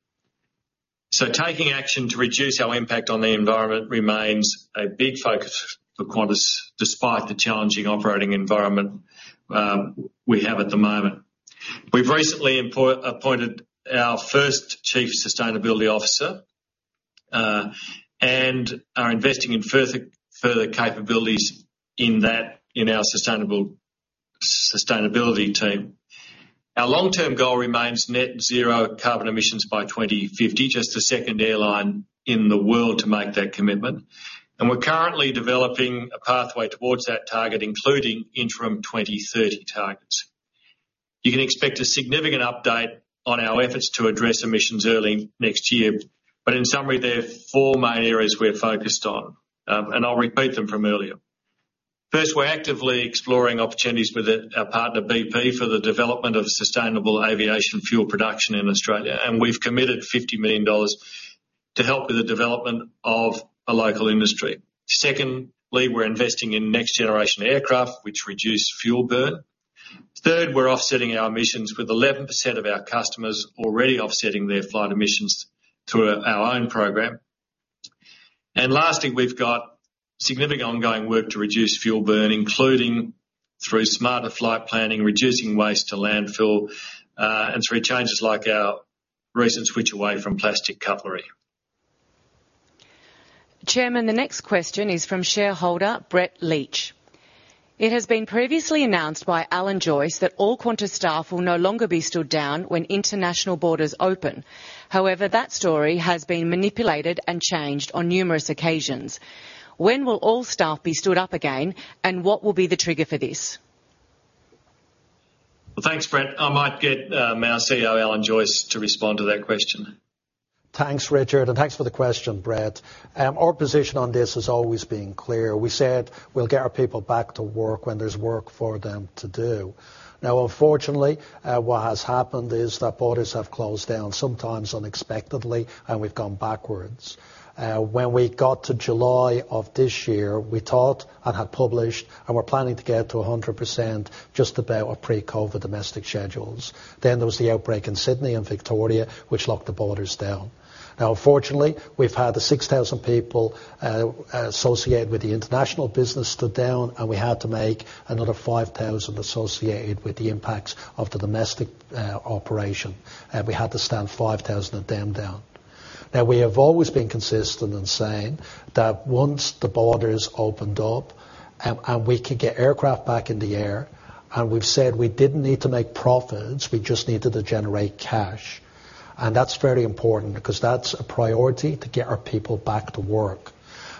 S1: Taking action to reduce our impact on the environment remains a big focus for Qantas despite the challenging operating environment we have at the moment. We've recently appointed our first chief sustainability officer and are investing in further capabilities in that, in our sustainability team. Our long-term goal remains net zero carbon emissions by 2050, just the second airline in the world to make that commitment. We're currently developing a pathway towards that target, including interim 2030 targets. You can expect a significant update on our efforts to address emissions early next year. In summary, there are four main areas we're focused on, and I'll repeat them from earlier. First, we're actively exploring opportunities with our partner bp for the development of sustainable aviation fuel production in Australia, and we've committed 50 million dollars to help with the development of a local industry. Secondly, we're investing in next generation aircraft, which reduce fuel burn. Third, we're offsetting our emissions with 11% of our customers already offsetting their flight emissions through our own program. Lastly, we've got significant ongoing work to reduce fuel burn, including through smarter flight planning, reducing waste to landfill, and through changes like our recent switch away from plastic cutlery.
S3: Chairman the next question is from shareholder Brett Leach. It has been previously announced by Alan Joyce that all Qantas staff will no longer be stood down when international borders open. However, that story has been manipulated and changed on numerous occasions. When will all staff be stood up again, and what will be the trigger for this?
S1: Well, thanks Brett. I might get our CEO, Alan Joyce, to respond to that question.
S2: Thanks Richard and thanks for the question, Brett. Our position on this has always been clear. We said we'll get our people back to work when there's work for them to do. Now, unfortunately, what has happened is that borders have closed down, sometimes unexpectedly, and we've gone backwards. When we got to July of this year, we thought and had published, and we're planning to get to 100% just about our pre-COVID domestic schedules. Then there was the outbreak in Sydney and Victoria, which locked the borders down. Now, unfortunately, we've had the 6,000 people associated with the international business stood down, and we had to make another 5,000 associated with the impacts of the domestic operation. We had to stand 5,000 of them down. Now, we have always been consistent in saying that once the borders opened up and we could get aircraft back in the air, and we've said we didn't need to make profits, we just needed to generate cash. That's very important because that's a priority to get our people back to work.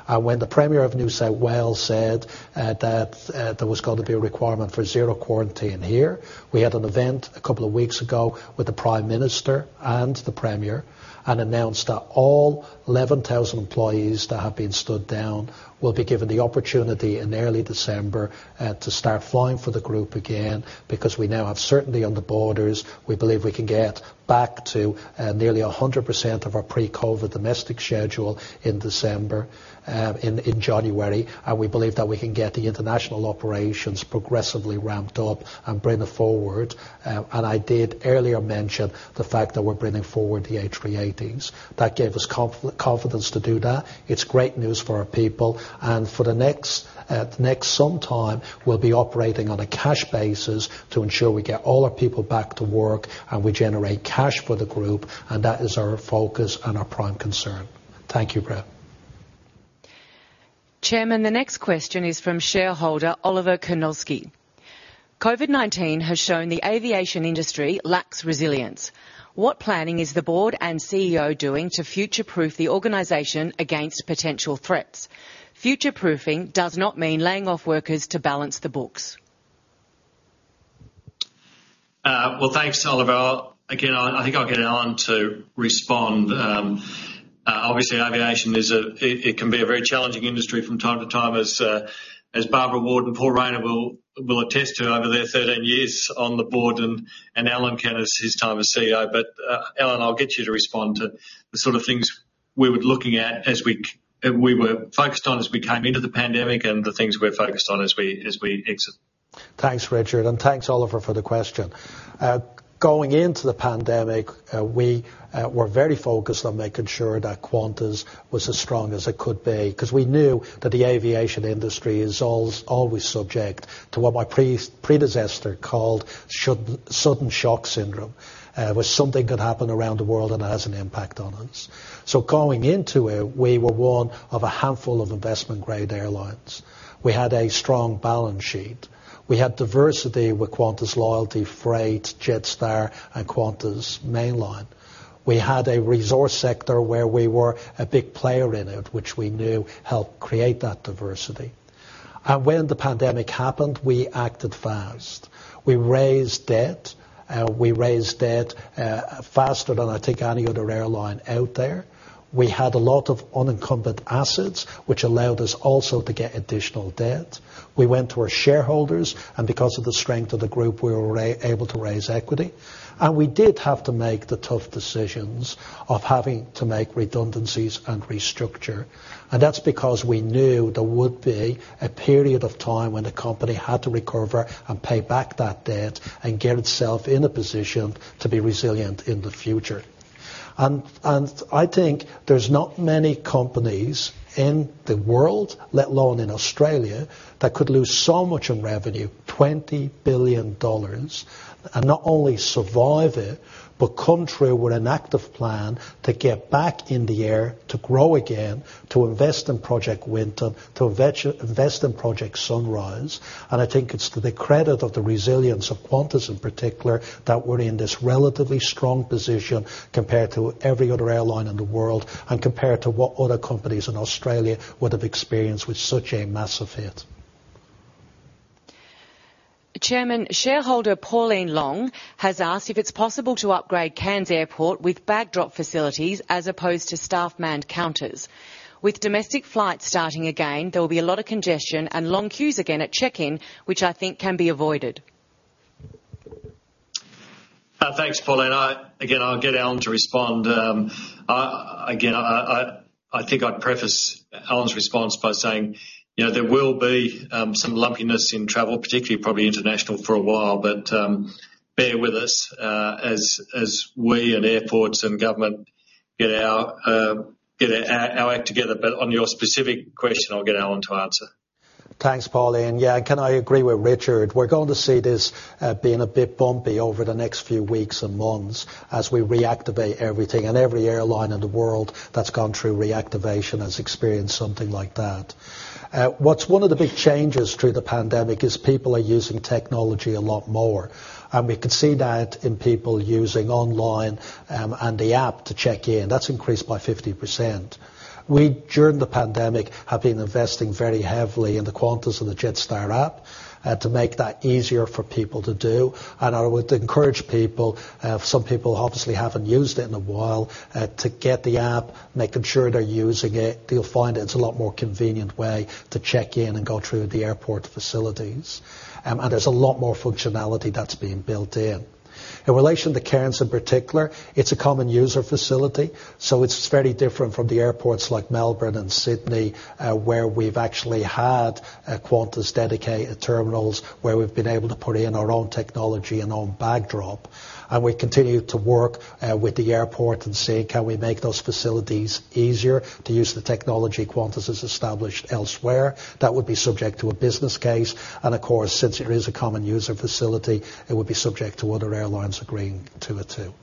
S2: When the Premier of New South Wales said that there was gonna be a requirement for zero quarantine here, we had an event a couple of weeks ago with the Prime Minister and the Premier and announced that all 11,000 employees that have been stood down will be given the opportunity in early December to start flying for the group again, because we now have certainty on the borders. We believe we can get back to nearly 100% of our pre-COVID domestic schedule in December in January. We believe that we can get the international operations progressively ramped up and bring it forward. I did earlier mention the fact that we're bringing forward the A380s. That gave us confidence to do that. It's great news for our people and for the next some time, we'll be operating on a cash basis to ensure we get all our people back to work and we generate cash for the group, and that is our focus and our prime concern. Thank you Brett.
S3: Chairman the next question is from shareholder Oliver Kernowski. COVID-19 has shown the aviation industry lacks resilience. What planning is the board and CEO doing to future-proof the organization against potential threats? Future-proofing does not mean laying off workers to balance the books.
S1: Thanks Oliver. Again, I think I'll get Alan to respond. Obviously, aviation is a very challenging industry from time to time as Barbara Ward, Paul Rayner will attest to over their 13 years on the board and Alan can as his time as CEO. Alan, I'll get you to respond to the sort of things we were looking at as we were focused on as we came into the pandemic and the things we're focused on as we exit.
S2: Thanks Richard, and thanks Oliver for the question. Going into the pandemic, we were very focused on making sure that Qantas was as strong as it could be because we knew that the aviation industry is always subject to what my predecessor called sudden shock syndrome, where something could happen around the world and has an impact on us. Going into it, we were one of a handful of investment-grade airlines. We had a strong balance sheet. We had diversity with Qantas Loyalty, Freight, Jetstar, and Qantas mainline. We had a resource sector where we were a big player in it, which we knew helped create that diversity. When the pandemic happened, we acted fast. We raised debt faster than I think any other airline out there. We had a lot of unencumbered assets, which allowed us also to get additional debt. We went to our shareholders, and because of the strength of the group, we were able to raise equity. We did have to make the tough decisions of having to make redundancies and restructure. That's because we knew there would be a period of time when the company had to recover and pay back that debt and get itself in a position to be resilient in the future. I think there's not many companies in the world, let alone in Australia, that could lose so much in revenue, 20 billion dollars, and not only survive it, but come through with an active plan to get back in the air, to grow again, to invest in Project Winton, to invest in Project Sunrise. I think it's to the credit of the resilience of Qantas in particular that we're in this relatively strong position compared to every other airline in the world and compared to what other companies in Australia would have experienced with such a massive hit.
S3: Chairman, shareholder Pauline Long has asked if it's possible to upgrade Cairns Airport with bag drop facilities as opposed to staff-manned counters. With domestic flights starting again, there will be a lot of congestion and long queues again at check-in, which I think can be avoided.
S1: Thanks Pauline. Again, I'll get Alan to respond. Again, I think I'd preface Alan's response by saying, you know, there will be some lumpiness in travel, particularly probably international for a while, but bear with us as we and airports and government get our act together. On your specific question, I'll get Alan to answer.
S2: Thanks Pauline. Yeah, can I agree with Richard? We're going to see this being a bit bumpy over the next few weeks and months as we reactivate everything, and every airline in the world that's gone through reactivation has experienced something like that. What's one of the big changes through the pandemic is people are using technology a lot more, and we could see that in people using online and the app to check in. That's increased by 50%. We, during the pandemic, have been investing very heavily in the Qantas and the Jetstar app to make that easier for people to do. I would encourage people, some people obviously haven't used it in a while, to get the app, making sure they're using it. They'll find it's a lot more convenient way to check in and go through the airport facilities. There's a lot more functionality that's being built in. In relation to Cairns, in particular, it's a common user facility, so it's very different from the airports like Melbourne and Sydney, where we've actually had Qantas dedicated terminals where we've been able to put in our own technology and own backdrop. We continue to work with the airport and see can we make those facilities easier to use the technology Qantas has established elsewhere. That would be subject to a business case. Of course, since it is a common user facility, it would be subject to other airlines agreeing to it too.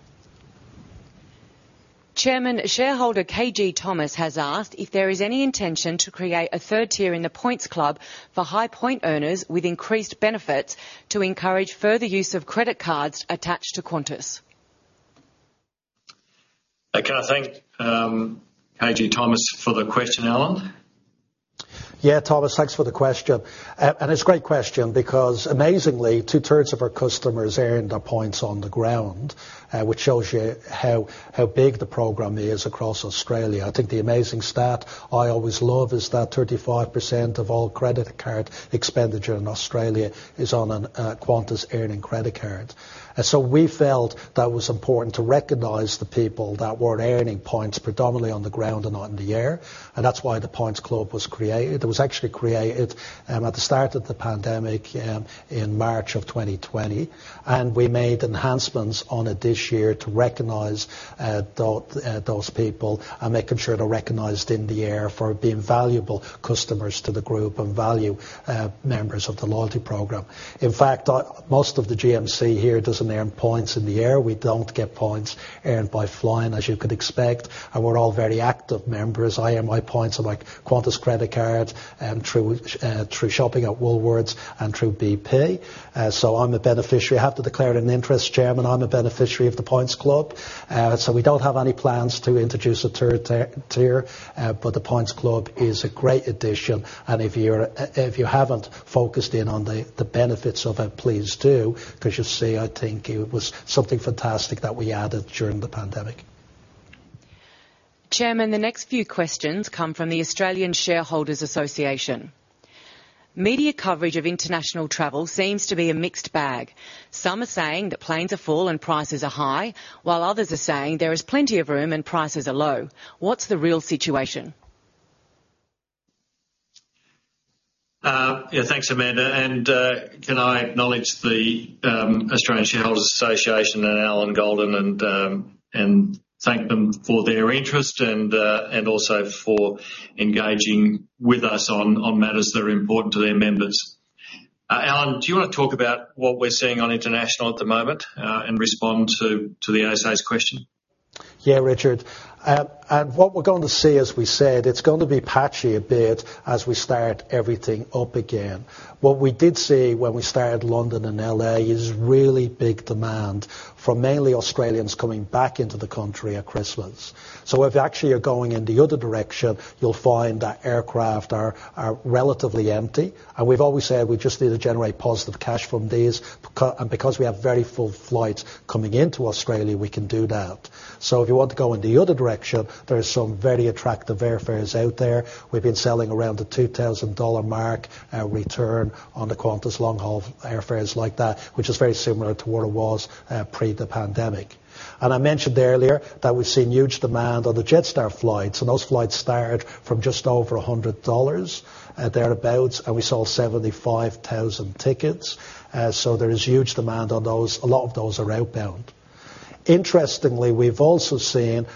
S3: Chairman, shareholder KG Thomas has asked if there is any intention to create a third tier in the Points Club for high point earners with increased benefits to encourage further use of credit cards attached to Qantas.
S1: Okay. I thank KG Thomas for the question, Alan.
S2: Yeah, Thomas thanks for the question. It's a great question because amazingly, two-thirds of our customers earn their points on the ground, which shows you how big the program is across Australia. I think the amazing stat I always love is that 35% of all credit card expenditure in Australia is on a Qantas earning credit card. We felt that it was important to recognize the people that were earning points predominantly on the ground and not in the air, and that's why the Points Club was created. It was actually created at the start of the pandemic in March 2020, and we made enhancements on it this year to recognize those people and making sure they're recognized in the air for being valuable customers to the group and valuable members of the loyalty program. In fact, most of the GMC here doesn't earn points in the air. We don't get points earned by flying, as you could expect, and we're all very active members. I earn my points on like Qantas credit card, through shopping at Woolworths and through bp. So I'm a beneficiary. I have to declare an interest, Chairman, I'm a beneficiary of the Points Club. So we don't have any plans to introduce a third tier, but the Points Club is a great addition. If you haven't focused in on the benefits of it, please do, 'cause you'll see, I think it was something fantastic that we added during the pandemic.
S3: Chairman, the next few questions come from the Australian Shareholders' Association. Media coverage of international travel seems to be a mixed bag. Some are saying that planes are full and prices are high, while others are saying there is plenty of room and prices are low. What's the real situation?
S1: Yeah, thanks Amanda. Can I acknowledge the Australian Shareholders' Association and Alan Golden and thank them for their interest and also for engaging with us on matters that are important to their members. Alan, do you wanna talk about what we're seeing on international at the moment and respond to the ASA's question?
S2: Yeah, Richard. What we're going to see, as we said, it's going to be patchy a bit as we start everything up again. What we did see when we started London and L.A. is really big demand from mainly Australians coming back into the country at Christmas. If actually you're going in the other direction, you'll find that aircraft are relatively empty. We've always said we just need to generate positive cash from these, and because we have very full flights coming into Australia, we can do that. If you want to go in the other direction, there is some very attractive airfares out there. We've been selling around the 2000 dollar mark, return on the Qantas long-haul airfares like that, which is very similar to what it was, pre the pandemic. I mentioned earlier that we've seen huge demand on the Jetstar flights, and those flights start from just over 100 dollars, thereabout, and we sold 75,000 tickets. So there is huge demand on those. A lot of those are outbound. Interestingly, we've also seen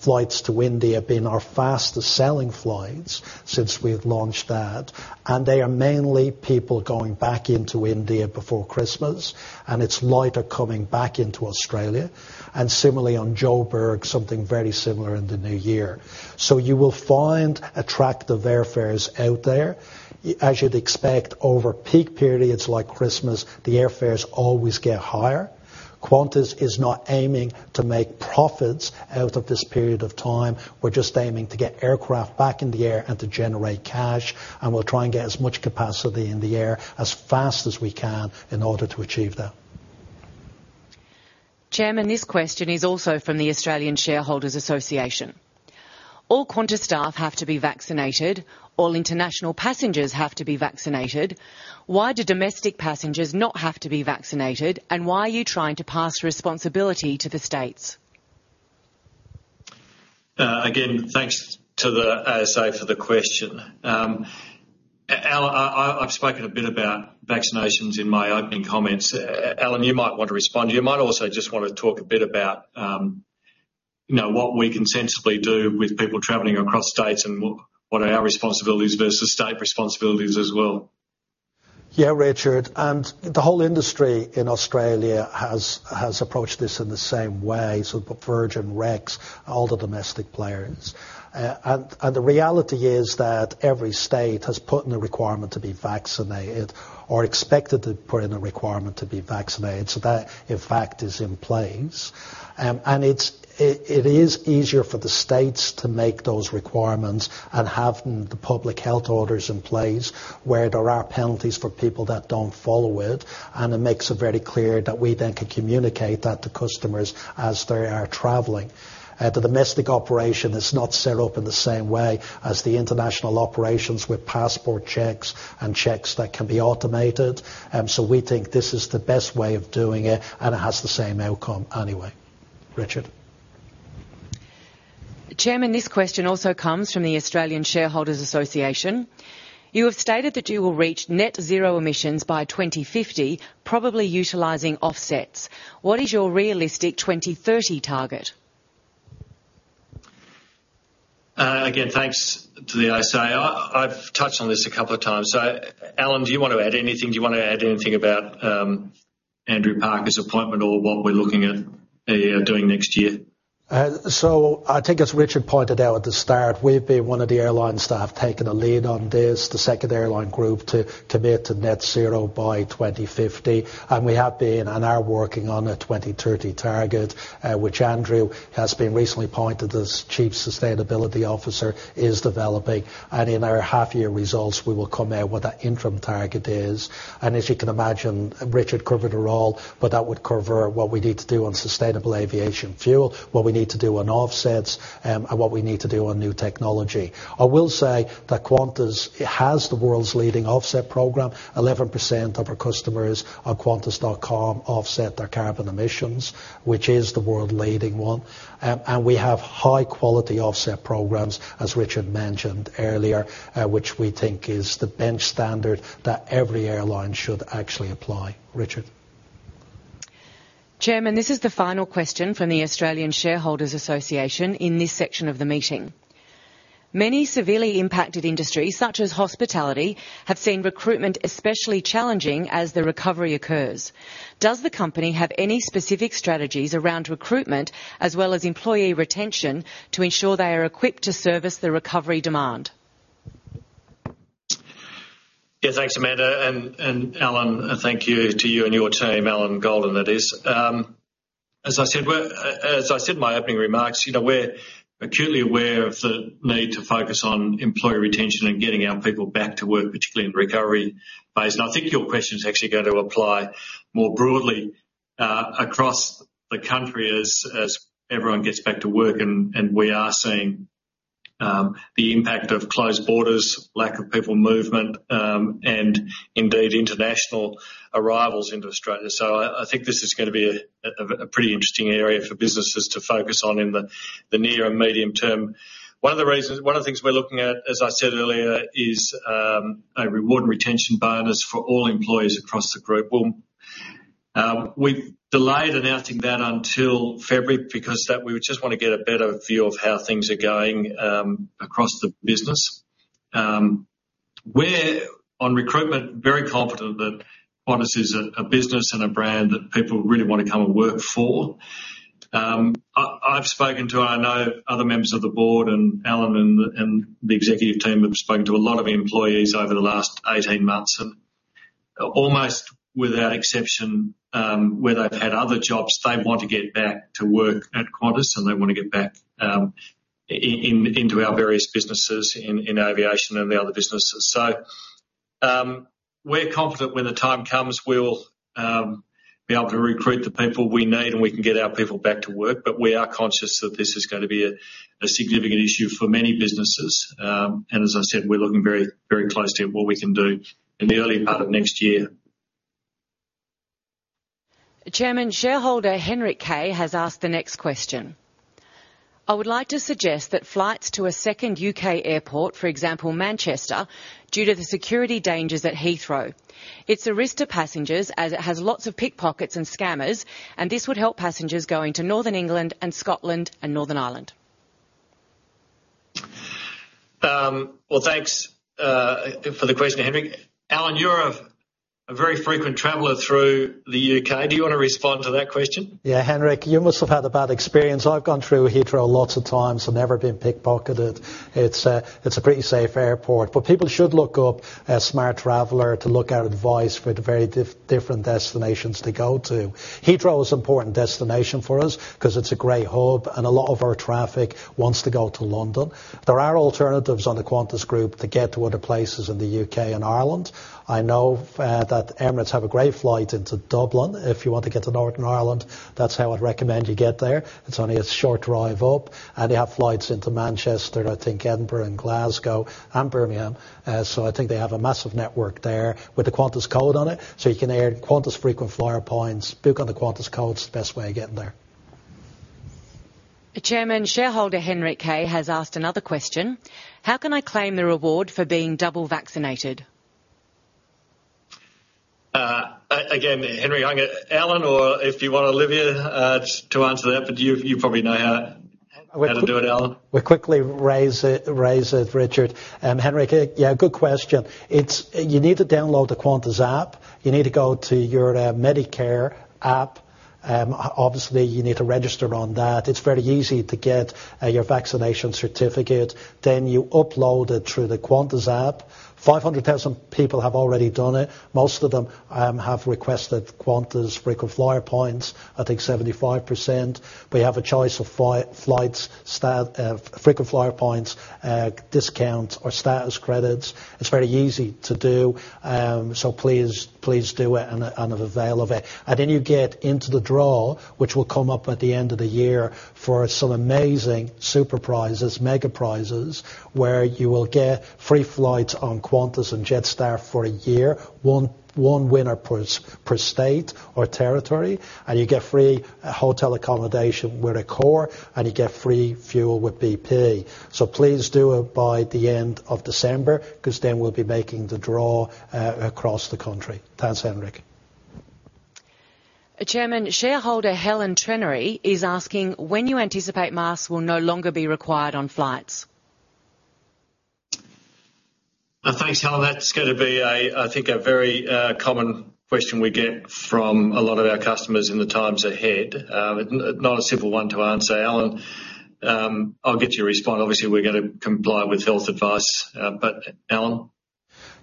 S2: flights to India being our fastest-selling flights since we've launched that, and they are mainly people going back into India before Christmas, and it's lighter coming back into Australia. Similarly on Joburg, something very similar in the new year. You will find attractive airfares out there. As you'd expect, over peak periods like Christmas, the airfares always get higher. Qantas is not aiming to make profits out of this period of time. We're just aiming to get aircraft back in the air and to generate cash, and we'll try and get as much capacity in the air as fast as we can in order to achieve that.
S3: Chairman, this question is also from the Australian Shareholders' Association. All Qantas staff have to be vaccinated. All international passengers have to be vaccinated. Why do domestic passengers not have to be vaccinated? Why are you trying to pass responsibility to the states?
S1: Again, thanks to the ASA for the question. Al, I've spoken a bit about vaccinations in my opening comments. Alan, you might want to respond. You might also just wanna talk a bit about what we can sensibly do with people traveling across states and what are our responsibilities versus state responsibilities as well.
S2: Yeah, Richard, the whole industry in Australia has approached this in the same way, so have Virgin, Rex, all the domestic players. The reality is that every state has put in a requirement to be vaccinated or expected to put in a requirement to be vaccinated, so that in fact is in place. It is easier for the states to make those requirements and have the public health orders in place where there are penalties for people that don't follow it, and it makes it very clear that we then can communicate that to customers as they are traveling. The domestic operation is not set up in the same way as the international operations with passport checks and checks that can be automated. We think this is the best way of doing it, and it has the same outcome anyway. Richard.
S3: Chairman, this question also comes from the Australian Shareholders' Association. You have stated that you will reach net zero emissions by 2050, probably utilizing offsets. What is your realistic 2030 target?
S1: Again, thanks to the ASA. I've touched on this a couple of times. Alan, do you want to add anything? Do you wanna add anything about Andrew Parker's appointment or what we're looking at doing next year?
S2: I think as Richard pointed out at the start, we've been one of the airlines that have taken a lead on this, the second airline group to commit to net zero by 2050. We have been and are working on a 2030 target, which Andrew has been recently appointed as Chief Sustainability Officer is developing. In our half-year results, we will come out what that interim target is. As you can imagine, Richard covered it all, but that would cover what we need to do on sustainable aviation fuel, what we need to do on offsets, and what we need to do on new technology. I will say that Qantas has the world's leading offset program. 11% of our customers on qantas.com offset their carbon emissions, which is the world-leading one. We have high-quality offset programs, as Richard mentioned earlier, which we think is the benchmark standard that every airline should actually apply. Richard.
S3: Chairman, this is the final question from the Australian Shareholders' Association in this section of the meeting. Many severely impacted industries, such as hospitality, have seen recruitment especially challenging as the recovery occurs. Does the company have any specific strategies around recruitment as well as employee retention to ensure they are equipped to service the recovery demand?
S1: Yeah, thanks Amanda and Alan thank you to you and your team, Alan Golden, that is. As I said in my opening remarks, you know, we're acutely aware of the need to focus on employee retention and getting our people back to work, particularly in the recovery phase. I think your question is actually going to apply more broadly across the country as everyone gets back to work, and we are seeing the impact of closed borders, lack of people movement, and indeed, international arrivals into Australia. I think this is gonna be a pretty interesting area for businesses to focus on in the near and medium term. One of the things we're looking at, as I said earlier, is a reward and retention bonus for all employees across the group. Well, we've delayed announcing that until February because that we just wanna get a better view of how things are going across the business. We're very confident on recruitment that Qantas is a business and a brand that people really wanna come and work for. I've spoken to, I know other members of the board and Alan and the executive team have spoken to a lot of employees over the last 18 months, and almost without exception, where they've had other jobs, they want to get back to work at Qantas, and they wanna get back in into our various businesses in aviation and the other businesses. We're confident when the time comes, we'll be able to recruit the people we need, and we can get our people back to work. We are conscious that this is gonna be a significant issue for many businesses. As I said, we're looking very, very closely at what we can do in the early part of next year.
S3: Chairman, shareholder Henrik Kay has asked the next question: I would like to suggest that flights to a second U.K. airport, for example, Manchester, due to the security dangers at Heathrow. It's a risk to passengers as it has lots of pickpockets and scammers, and this would help passengers going to northern England and Scotland and Northern Ireland.
S1: Well, thanks for the question, Henrik. Alan, you're a very frequent traveler through the U.K. Do you wanna respond to that question?
S2: Yeah, Henrik, you must have had a bad experience. I've gone through Heathrow lots of times and never been pick-pocketed. It's a pretty safe airport. People should look up Smartraveller to look at advice for the very different destinations to go to. Heathrow is an important destination for us 'cause it's a great hub, and a lot of our traffic wants to go to London. There are alternatives on the Qantas Group to get to other places in the U.K. and Ireland. I know that Emirates have a great flight into Dublin. If you want to get to Northern Ireland, that's how I'd recommend you get there. It's only a short drive up. They have flights into Manchester, I think Edinburgh, and Glasgow, and Birmingham. I think they have a massive network there with the Qantas code on it, so you can earn Qantas frequent flyer points. Book on the Qantas codes, the best way of getting there.
S3: Chairman, shareholder Henrik Kay has asked another question: How can I claim the reward for being double vaccinated?
S1: Again, Henrik, Alan, or if you want Olivia to answer that, but you probably know how to do it, Alan.
S2: We'll quickly raise it, Richard. Henrik, yeah, good question. You need to download the Qantas app. You need to go to your Medicare app. Obviously, you need to register on that. It's very easy to get your vaccination certificate. Then you upload it through the Qantas app. 500,000 people have already done it. Most of them have requested Qantas Frequent Flyer points, I think 75%. We have a choice of frequent flyer points, discounts or status credits. It's very easy to do, so please do it and avail of it. You get into the draw, which will come up at the end of the year for some amazing super prizes, mega prizes, where you will get free flights on Qantas and Jetstar for a year, one winner per state or territory, and you get free hotel accommodation with Accor, and you get free fuel with bp. Please do it by the end of December, 'cause then we'll be making the draw across the country. Thanks, Henrik.
S3: Chairman, shareholder Helen Trenery is asking when you anticipate masks will no longer be required on flights?
S1: Thanks Helen. That's gonna be, I think, a very common question we get from a lot of our customers in the times ahead. Not a simple one to answer. Alan, I'll get you to respond. Obviously, we're gonna comply with health advice, but Alan?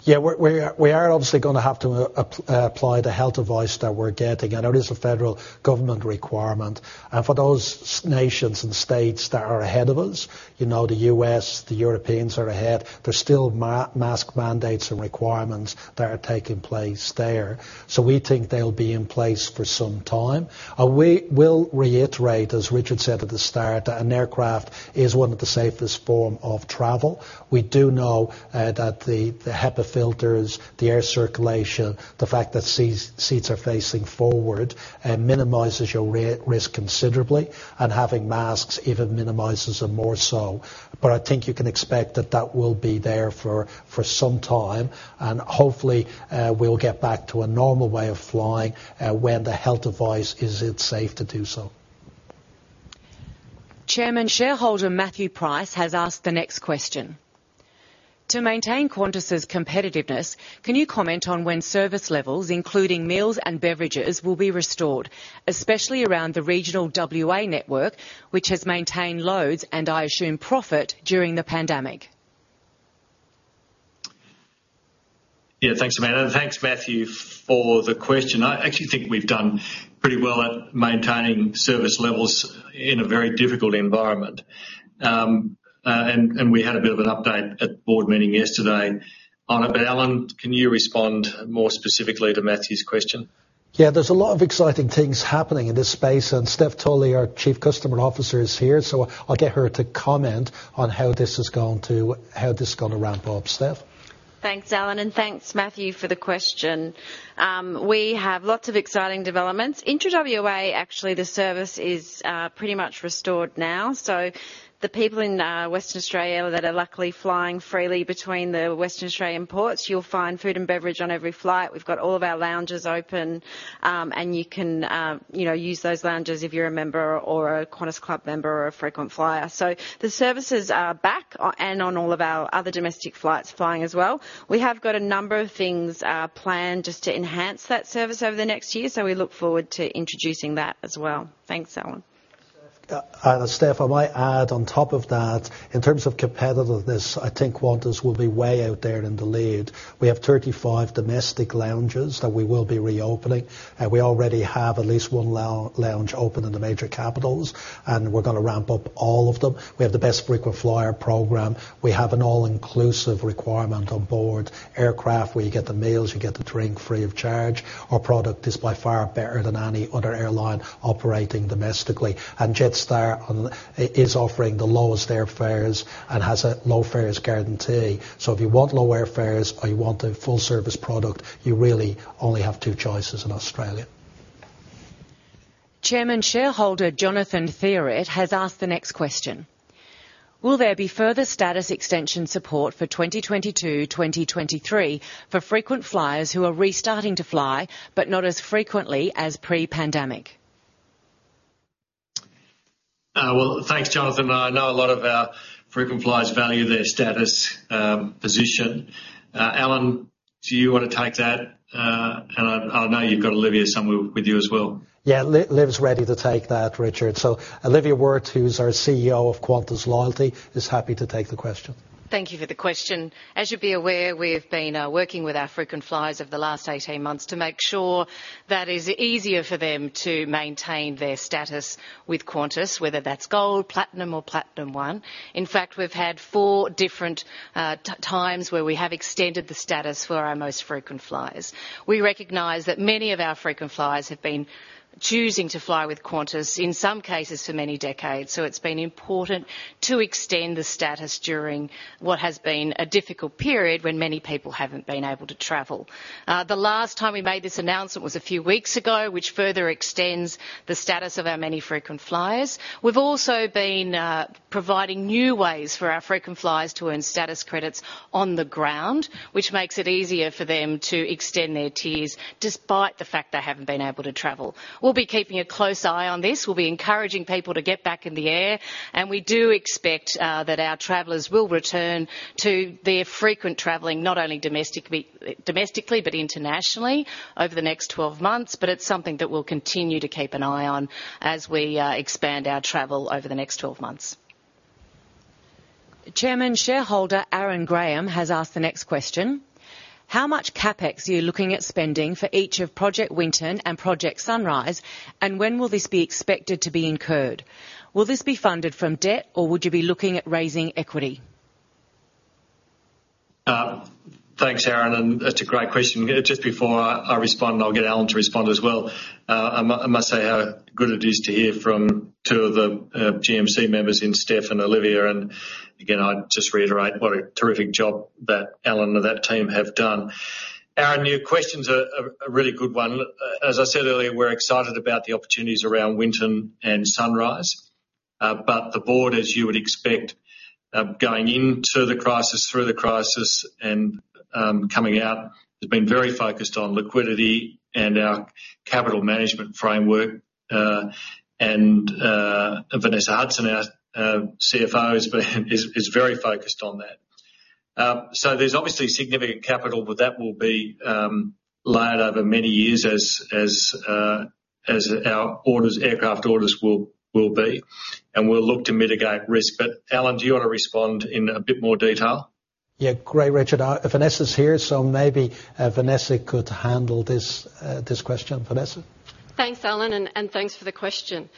S2: Yeah, we are obviously gonna have to apply the health advice that we're getting, and it is a federal government requirement. For those nations and states that are ahead of us, you know, the U.S., the Europeans are ahead, there's still mask mandates and requirements that are taking place there. We think they'll be in place for some time. We will reiterate, as Richard said at the start, that an aircraft is one of the safest form of travel. We do know that the HEPA filters, the air circulation, the fact that seats are facing forward minimizes your risk considerably, and having masks even minimizes it more so. I think you can expect that will be there for some time, and hopefully we'll get back to a normal way of flying when the health advice is that it's safe to do so.
S3: Chairman, shareholder Matthew Price has asked the next question: To maintain Qantas's competitiveness, can you comment on when service levels, including meals and beverages, will be restored, especially around the regional WA network, which has maintained loads, and I assume profit, during the pandemic?
S1: Yeah, thanks Amanda. Thanks Matthew, for the question. I actually think we've done pretty well at maintaining service levels in a very difficult environment. We had a bit of an update at the board meeting yesterday on it, but Alan, can you respond more specifically to Matthew's question?
S2: Yeah. There's a lot of exciting things happening in this space, and Stephanie Tully, our Chief Customer Officer, is here, so I'll get her to comment on how this is gonna ramp up. Steph?
S4: Thanks Alan, and thanks Matthew, for the question. We have lots of exciting developments. Intra WA, actually the service is pretty much restored now. The people in Western Australia that are luckily flying freely between the Western Australian ports, you'll find food and beverage on every flight. We've got all of our lounges open, and you can, you know, use those lounges if you're a member or a Qantas Club member or a frequent flyer. The services are back, and on all of our other domestic flights flying as well. We have got a number of things planned just to enhance that service over the next year, so we look forward to introducing that as well. Thanks Alan.
S2: Steph, I might add on top of that, in terms of competitiveness, I think Qantas will be way out there in the lead. We have 35 domestic lounges that we will be reopening. We already have at least one lounge open in the major capitals, and we're gonna ramp up all of them. We have the best frequent flyer program. We have an all-inclusive requirement on board aircraft, where you get the meals, you get the drink free of charge. Our product is by far better than any other airline operating domestically. Jetstar is offering the lowest airfares and has a low fares guarantee. If you want low airfares or you want a full service product, you really only have two choices in Australia.
S3: Chairman, shareholder Jonathan Theuret has asked the next question: Will there be further status extension support for 2022/2023 for frequent flyers who are restarting to fly, but not as frequently as pre-pandemic?
S1: Well, thanks Jonathan. I know a lot of our frequent flyers value their status, position. Alan, do you wanna take that? I know you've got Olivia somewhere with you as well.
S2: Yeah. Liv's ready to take that, Richard. Olivia Wirth, who's our CEO of Qantas Loyalty, is happy to take the question.
S5: Thank you for the question. As you'd be aware, we've been working with our frequent flyers over the last 18 months to make sure that it's easier for them to maintain their status with Qantas, whether that's Gold, Platinum or Platinum One. In fact, we've had four different times where we have extended the status for our most frequent flyers. We recognize that many of our frequent flyers have been choosing to fly with Qantas, in some cases for many decades, so it's been important to extend the status during what has been a difficult period when many people haven't been able to travel. The last time we made this announcement was a few weeks ago, which further extends the status of our many frequent flyers. We've also been providing new ways for our frequent flyers to earn status credits on the ground, which makes it easier for them to extend their tiers despite the fact they haven't been able to travel. We'll be keeping a close eye on this. We'll be encouraging people to get back in the air, and we do expect that our travelers will return to their frequent traveling, not only domestically but internationally over the next 12 months, but it's something that we'll continue to keep an eye on as we expand our travel over the next 12 months.
S3: Chairman, shareholder Aaron Graham has asked the next question: How much CapEx are you looking at spending for each of Project Winton and Project Sunrise, and when will this be expected to be incurred? Will this be funded from debt, or would you be looking at raising equity?
S1: Thanks Aaron, and that's a great question. Just before I respond, I'll get Alan to respond as well. I must say how good it is to hear from two of the GMC members in Steph and Olivia. Again, I'd just reiterate what a terrific job that Alan and that team have done. Aaron, your question's a really good one. As I said earlier, we're excited about the opportunities around Winton and Sunrise. But the board, as you would expect, going into the crisis, through the crisis, and coming out, has been very focused on liquidity and our capital management framework. Vanessa Hudson, our CFO, has been very focused on that. There's obviously significant capital, but that will be layered over many years as our aircraft orders will be, and we'll look to mitigate risk. Alan, do you wanna respond in a bit more detail?
S2: Yeah. Great, Richard. Vanessa's here, so maybe Vanessa could handle this question. Vanessa.
S6: Thanks Alan, and thanks for the question.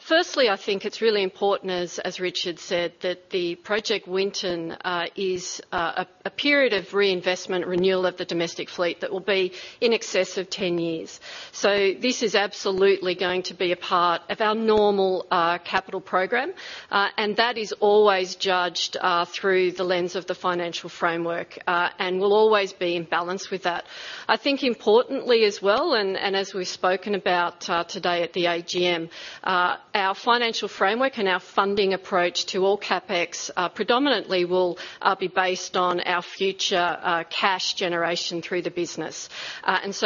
S6: Firstly, I think it's really important, as Richard said, that the Project Winton is a period of reinvestment renewal of the domestic fleet that will be in excess of 10 years. This is absolutely going to be a part of our normal capital program, and that is always judged through the lens of the financial framework, and will always be in balance with that. I think importantly as well, as we've spoken about today at the AGM, our financial framework and our funding approach to all CapEx predominantly will be based on our future cash generation through the business.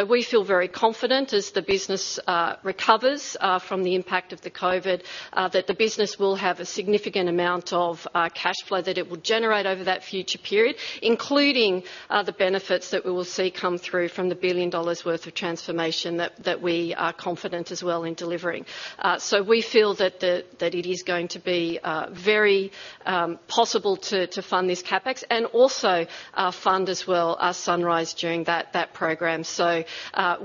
S6: We feel very confident as the business recovers from the impact of the COVID that the business will have a significant amount of cash flow that it will generate over that future period, including the benefits that we will see come through from 1 billion dollars worth of transformation that we are confident as well in delivering. We feel that it is going to be very possible to fund this CapEx and also fund as well Sunrise during that program.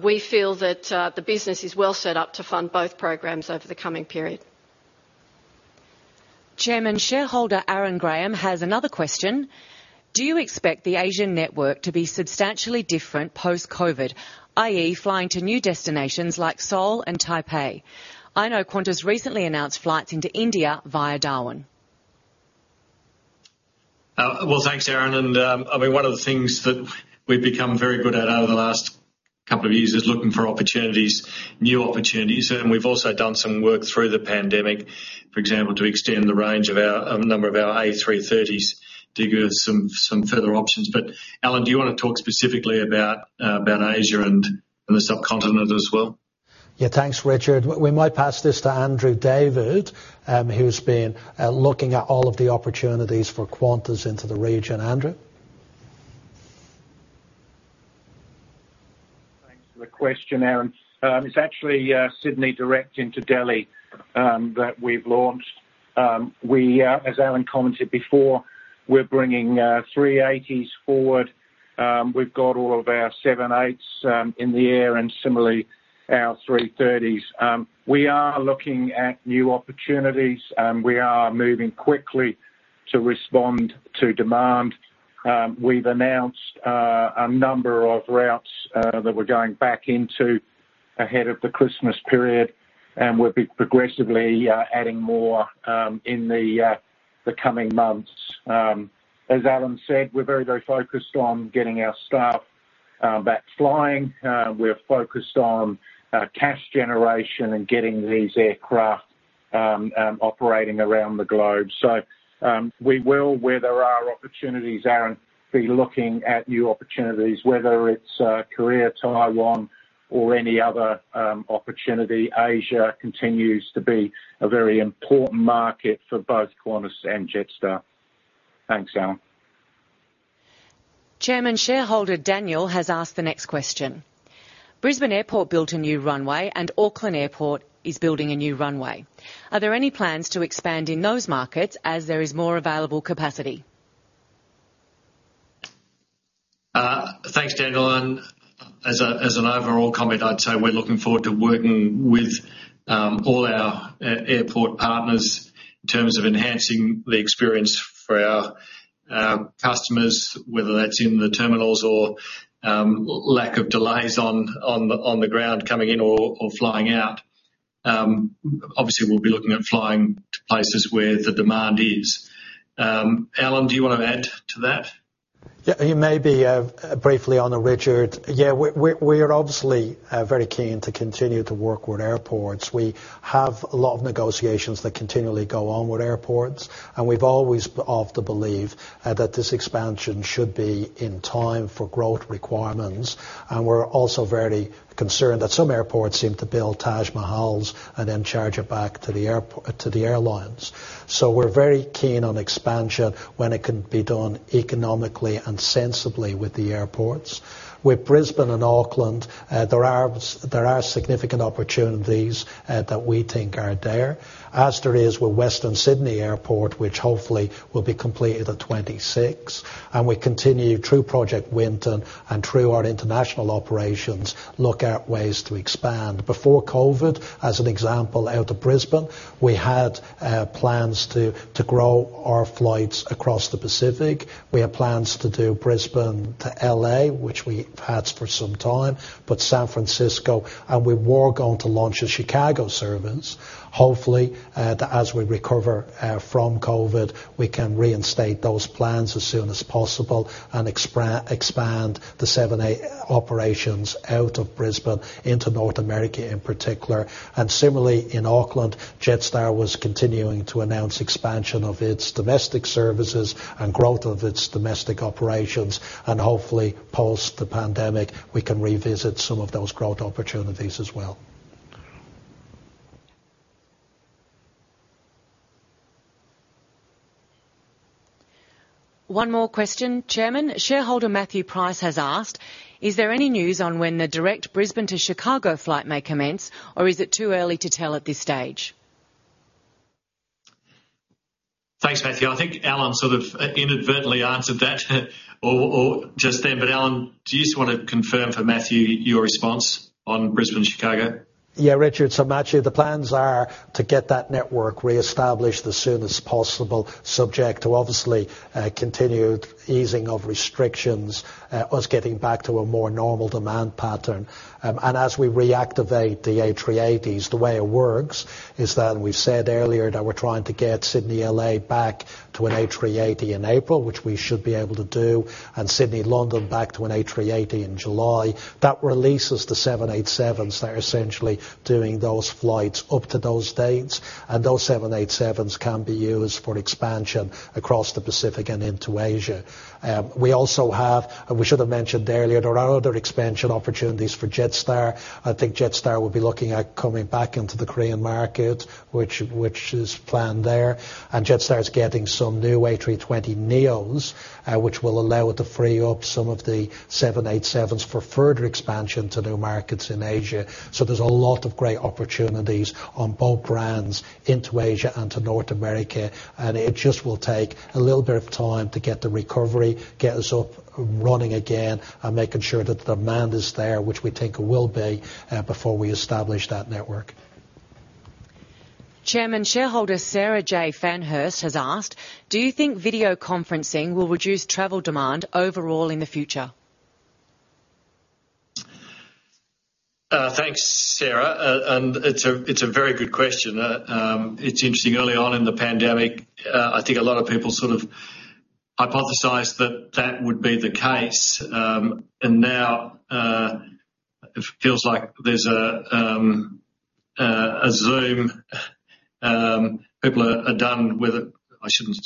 S6: We feel that the business is well set up to fund both programs over the coming period.
S3: Chairman, shareholder Aaron Graham has another question: Do you expect the Asian network to be substantially different post-COVID, i.e., flying to new destinations like Seoul and Taipei? I know Qantas recently announced flights into India via Darwin.
S1: Well, thanks Aaron. I mean, one of the things that we've become very good at over the last couple of years is looking for opportunities, new opportunities. We've also done some work through the pandemic, for example, to extend the range of a number of our A330s to give us some further options. But Alan, do you wanna talk specifically about Asia and the subcontinent as well?
S2: Yeah. Thanks Richard. We might pass this to Andrew David, who's been looking at all of the opportunities for Qantas into the region. Andrew.
S7: Thanks for the question, Aaron. It's actually Sydney direct into Delhi that we've launched. As Alan commented before, we're bringing 380s forward. We've got all of our 78s in the air and similarly our 330s. We are looking at new opportunities, and we are moving quickly to respond to demand. We've announced a number of routes that we're going back into ahead of the Christmas period, and we'll be progressively adding more in the coming months. As Alan said, we're very, very focused on getting our staff back flying. We're focused on cash generation and getting these aircraft operating around the globe. We will, where there are opportunities, Aaron, be looking at new opportunities, whether it's Korea, Taiwan, or any other opportunity. Asia continues to be a very important market for both Qantas and Jetstar. Thanks Alan.
S3: Chairman, shareholder Daniel has asked the next question. Brisbane Airport built a new runway and Auckland Airport is building a new runway. Are there any plans to expand in those markets as there is more available capacity?
S1: Thanks Daniel. As an overall comment, I'd say we're looking forward to working with all our airport partners in terms of enhancing the experience for our customers, whether that's in the terminals or lack of delays on the ground coming in or flying out. Obviously, we'll be looking at flying to places where the demand is. Alan, do you wanna add to that?
S2: Yeah. You maybe briefly on Richard. Yeah, we're obviously very keen to continue to work with airports. We have a lot of negotiations that continually go on with airports, and we've always of the belief that this expansion should be in time for growth requirements. We're also very concerned that some airports seem to build Taj Mahals and then charge it back to the airlines. We're very keen on expansion when it can be done economically and sensibly with the airports. With Brisbane and Auckland, there are significant opportunities that we think are there, as there is with Western Sydney Airport, which hopefully will be completed at 26. We continue through Project Winton and through our international operations, look at ways to expand. Before COVID, as an example, out of Brisbane, we had plans to grow our flights across the Pacific. We had plans to do Brisbane to L.A., which we've had for some time, but San Francisco, and we were going to launch a Chicago service. Hopefully, as we recover from COVID, we can reinstate those plans as soon as possible and expand the 787 operations out of Brisbane into North America in particular. Similarly, in Auckland, Jetstar was continuing to announce expansion of its domestic services and growth of its domestic operations. Hopefully, post the pandemic, we can revisit some of those growth opportunities as well.
S3: One more question. Chairman, shareholder Matthew Price has asked, "Is there any news on when the direct Brisbane to Chicago flight may commence or is it too early to tell at this stage?
S1: Thanks Matthew. I think Alan sort of inadvertently answered that or just then, but Alan, do you just wanna confirm for Matthew your response on Brisbane-Chicago?
S2: Yeah, Richard. Matthew, the plans are to get that network reestablished as soon as possible, subject to obviously, continued easing of restrictions, us getting back to a more normal demand pattern. As we reactivate the A380s, the way it works is that we've said earlier that we're trying to get Sydney-L.A. back to an A380 in April, which we should be able to do, and Sydney-London back to an A380 in July. That releases the 787s that are essentially doing those flights up to those dates, and those 787s can be used for expansion across the Pacific and into Asia. We also have, and we should have mentioned earlier, there are other expansion opportunities for Jetstar. I think Jetstar will be looking at coming back into the Korean market, which is planned there. Jetstar is getting some new A320NEOs, which will allow it to free up some of the 787s for further expansion to new markets in Asia. There's a lot of great opportunities on both brands into Asia and to North America, and it just will take a little bit of time to get the recovery, get us up and running again and making sure that the demand is there, which we think it will be, before we establish that network.
S3: Chairman, shareholder Sarah J. Fanhurst has asked, "Do you think video conferencing will reduce travel demand overall in the future?
S1: Thanks Sarah. It's a very good question. It's interesting, early on in the pandemic, I think a lot of people sort of hypothesized that that would be the case. Now, it feels like there's a Zoom. People are done with it. I shouldn't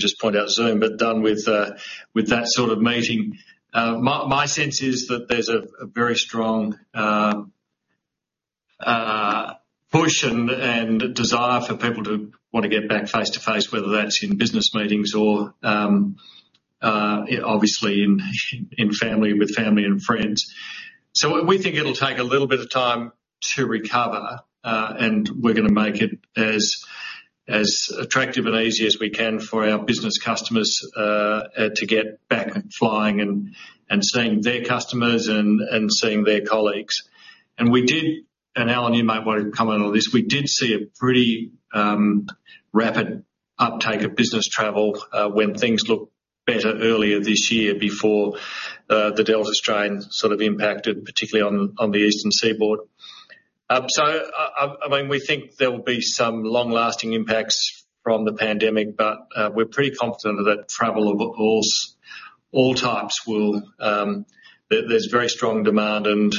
S1: just point out Zoom, but done with that sort of meeting. My sense is that there's a very strong push and desire for people to wanna get back face-to-face, whether that's in business meetings or obviously in family, with family and friends. We think it'll take a little bit of time to recover, and we're gonna make it as attractive and easy as we can for our business customers to get back flying and seeing their customers and seeing their colleagues. We did, Alan, you might want to comment on this. We did see a pretty rapid uptake of business travel when things looked better earlier this year before the Delta strain sort of impacted, particularly on the eastern seaboard. I mean, we think there will be some long-lasting impacts from the pandemic, but we're pretty confident that travel of all types will. There's very strong demand and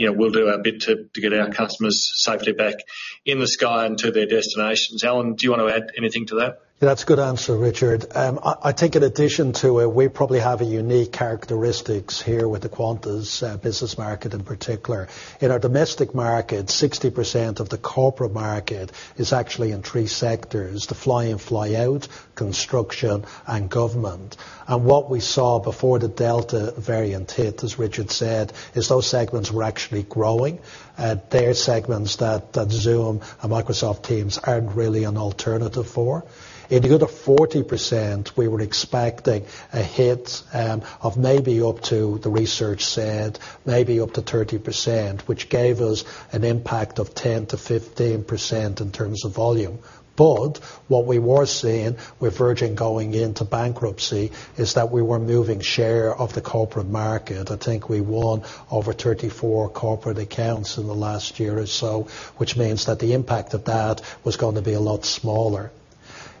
S1: you know, we'll do our bit to get our customers safely back in the sky and to their destinations. Alan, do you want to add anything to that?
S2: That's a good answer, Richard. I think in addition to it, we probably have unique characteristics here with the Qantas business market, in particular. In our domestic market, 60% of the corporate market is actually in three sectors, the fly in, fly out, construction, and government. What we saw before the Delta variant hit, as Richard said, is those segments were actually growing. They're segments that Zoom and Microsoft Teams aren't really an alternative for. In the other 40%, we were expecting a hit of maybe up to, the research said, maybe up to 30%, which gave us an impact of 10%-15% in terms of volume. What we were seeing with Virgin going into bankruptcy is that we were moving share of the corporate market. I think we won over 34 corporate accounts in the last year or so, which means that the impact of that was going to be a lot smaller.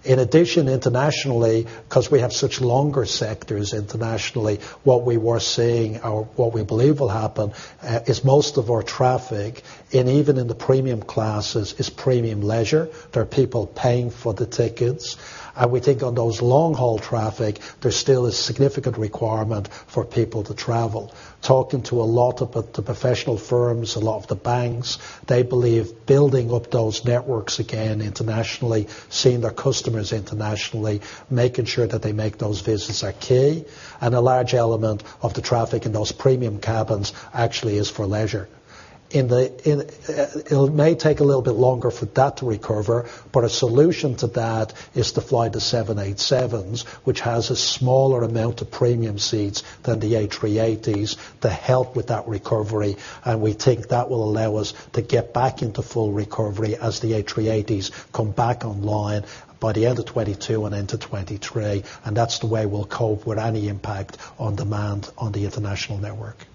S2: In addition, internationally, 'cause we have such longer sectors internationally, what we were seeing or what we believe will happen is most of our traffic, and even in the premium classes, is premium leisure. There are people paying for the tickets. We think on those long-haul traffic, there still is significant requirement for people to travel. Talking to a lot of the professional firms, a lot of the banks, they believe building up those networks again internationally, seeing their customers internationally, making sure that they make those visits are key. A large element of the traffic in those premium cabins actually is for leisure. It may take a little bit longer for that to recover, but a solution to that is to fly the 787s, which has a smaller amount of premium seats than the A380s to help with that recovery. We think that will allow us to get back into full recovery as the A380s come back online by the end of 2022 and into 2023. That's the way we'll cope with any impact on demand on the international network.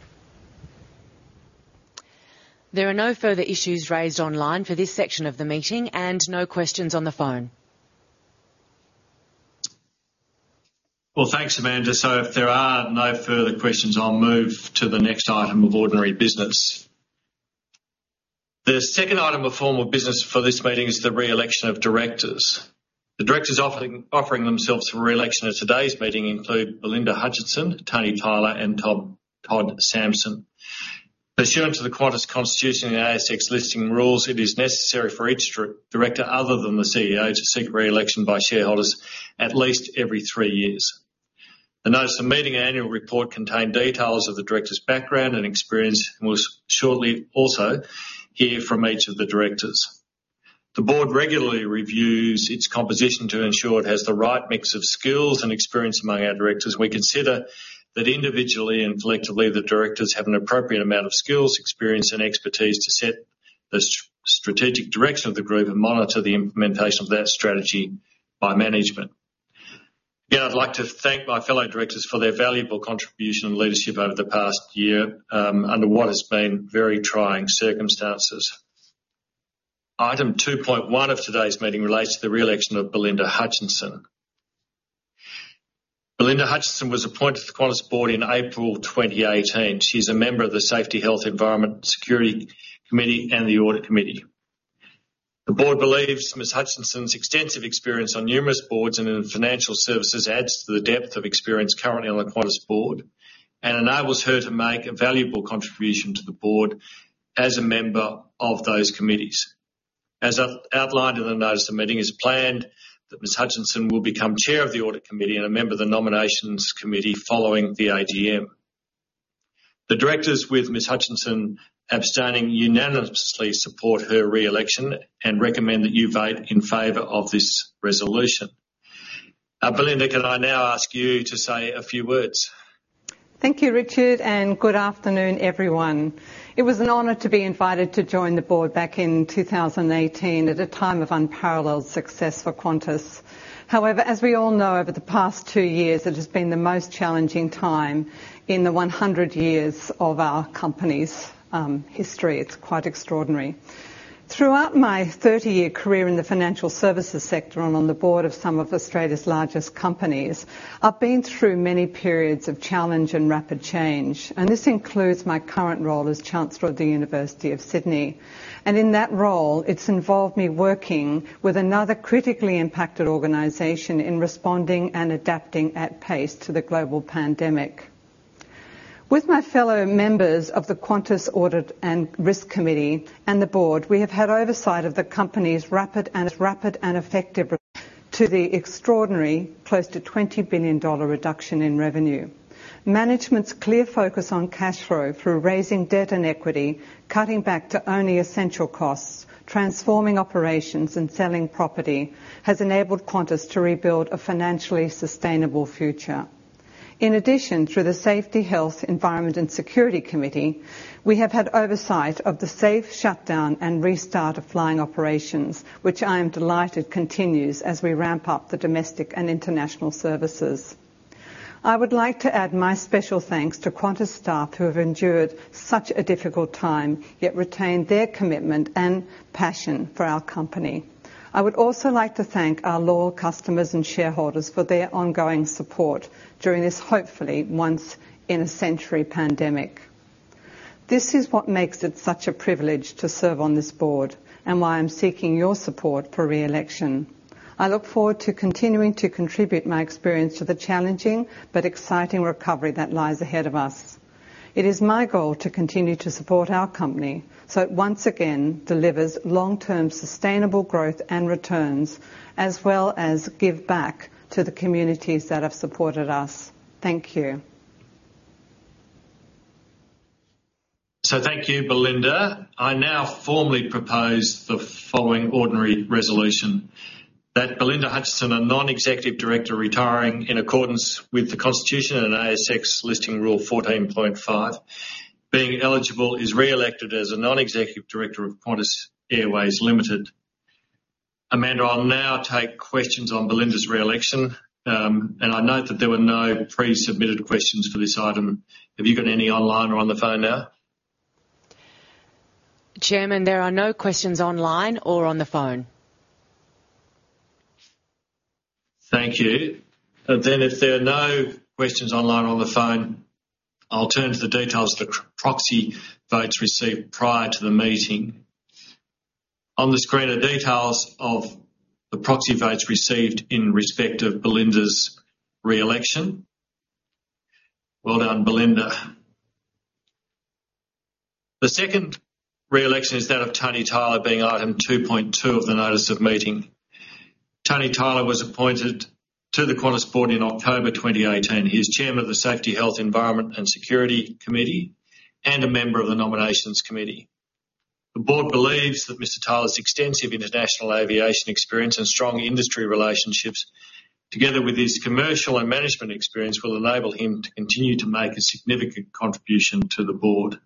S3: There are no further issues raised online for this section of the meeting and no questions on the phone.
S1: Well, thanks, Amanda. If there are no further questions, I'll move to the next item of ordinary business. The second item of formal business for this meeting is the reelection of directors. The directors offering themselves for reelection at today's meeting include Belinda Hutchinson, Antony Tyler, and Todd Sampson. Pursuant to the Qantas Constitution and the ASX Listing Rules, it is necessary for each director, other than the CEO, to seek reelection by shareholders at least every three years. The notice of meeting annual report contain details of the directors' background and experience. We'll shortly also hear from each of the directors. The board regularly reviews its composition to ensure it has the right mix of skills and experience among our directors. We consider that individually and collectively, the directors have an appropriate amount of skills, experience, and expertise to set the strategic direction of the group and monitor the implementation of that strategy by management. Again, I'd like to thank my fellow directors for their valuable contribution and leadership over the past year, under what has been very trying circumstances. Item 2.1 of today's meeting relates to the reelection of Belinda Hutchinson. Belinda Hutchinson was appointed to the Qantas board in April 2018. She's a member of the Safety, Health, Environment and Security Committee and the Audit Committee. The board believes Ms. Hutchinson's extensive experience on numerous boards and in financial services adds to the depth of experience currently on the Qantas board and enables her to make a valuable contribution to the board as a member of those committees. As I've outlined in the notice of the meeting, it's planned that Ms. Hutchinson will become chair of the Audit Committee and a member of the Nominations Committee following the AGM. The directors, with Ms. Hutchinson abstaining, unanimously support her reelection and recommend that you vote in favor of this resolution. Belinda, can I now ask you to say a few words?
S8: Thank you, Richard, and good afternoon, everyone. It was an honor to be invited to join the board back in 2018 at a time of unparalleled success for Qantas. However, as we all know, over the past two years, it has been the most challenging time in the 100 years of our company's history. It's quite extraordinary. Throughout my 30-year career in the financial services sector and on the board of some of Australia's largest companies, I've been through many periods of challenge and rapid change, and this includes my current role as Chancellor of the University of Sydney. In that role, it's involved me working with another critically impacted organization in responding and adapting at pace to the global pandemic. With my fellow members of the Qantas Audit and Risk Committee and the board, we have had oversight of the company's rapid and effective response to the extraordinary close to 20 billion dollar reduction in revenue. Management's clear focus on cash flow through raising debt and equity, cutting back to only essential costs, transforming operations, and selling property has enabled Qantas to rebuild a financially sustainable future. In addition, through the Safety, Health, Environment and Security Committee, we have had oversight of the safe shutdown and restart of flying operations, which I am delighted continues as we ramp up the domestic and international services. I would like to add my special thanks to Qantas staff who have endured such a difficult time, yet retained their commitment and passion for our company. I would also like to thank our loyal customers and shareholders for their ongoing support during this, hopefully, once in a century pandemic. This is what makes it such a privilege to serve on this board and why I'm seeking your support for re-election. I look forward to continuing to contribute my experience to the challenging but exciting recovery that lies ahead of us. It is my goal to continue to support our company, so it once again delivers long-term sustainable growth and returns as well as give back to the communities that have supported us. Thank you.
S1: Thank you, Belinda. I now formally propose the following ordinary resolution that Belinda Hutchinson, a Non-Executive Director, retiring in accordance with the Constitution and ASX Listing Rule 14.5, being eligible, is re-elected as a Non-Executive Director of Qantas Airways Limited. Amanda, I'll now take questions on Belinda's re-election, and I note that there were no pre-submitted questions for this item. Have you got any online or on the phone now?
S3: Chairman, there are no questions online or on the phone.
S1: Thank you. If there are no questions online or on the phone, I'll turn to the details of the proxy votes received prior to the meeting. On the screen are details of the proxy votes received in respect of Belinda's re-election. Well done, Belinda. The second re-election is that of Antony Tyler being item 2.2 of the notice of meeting. Antony Tyler was appointed to the Qantas Board in October 2018. He is Chairman of the Safety, Health, Environment and Security Committee and a member of the Nominations Committee. The board believes that Mr. Tyler's extensive international aviation experience and strong industry relationships, together with his commercial and management experience, will enable him to continue to make a significant contribution to the board.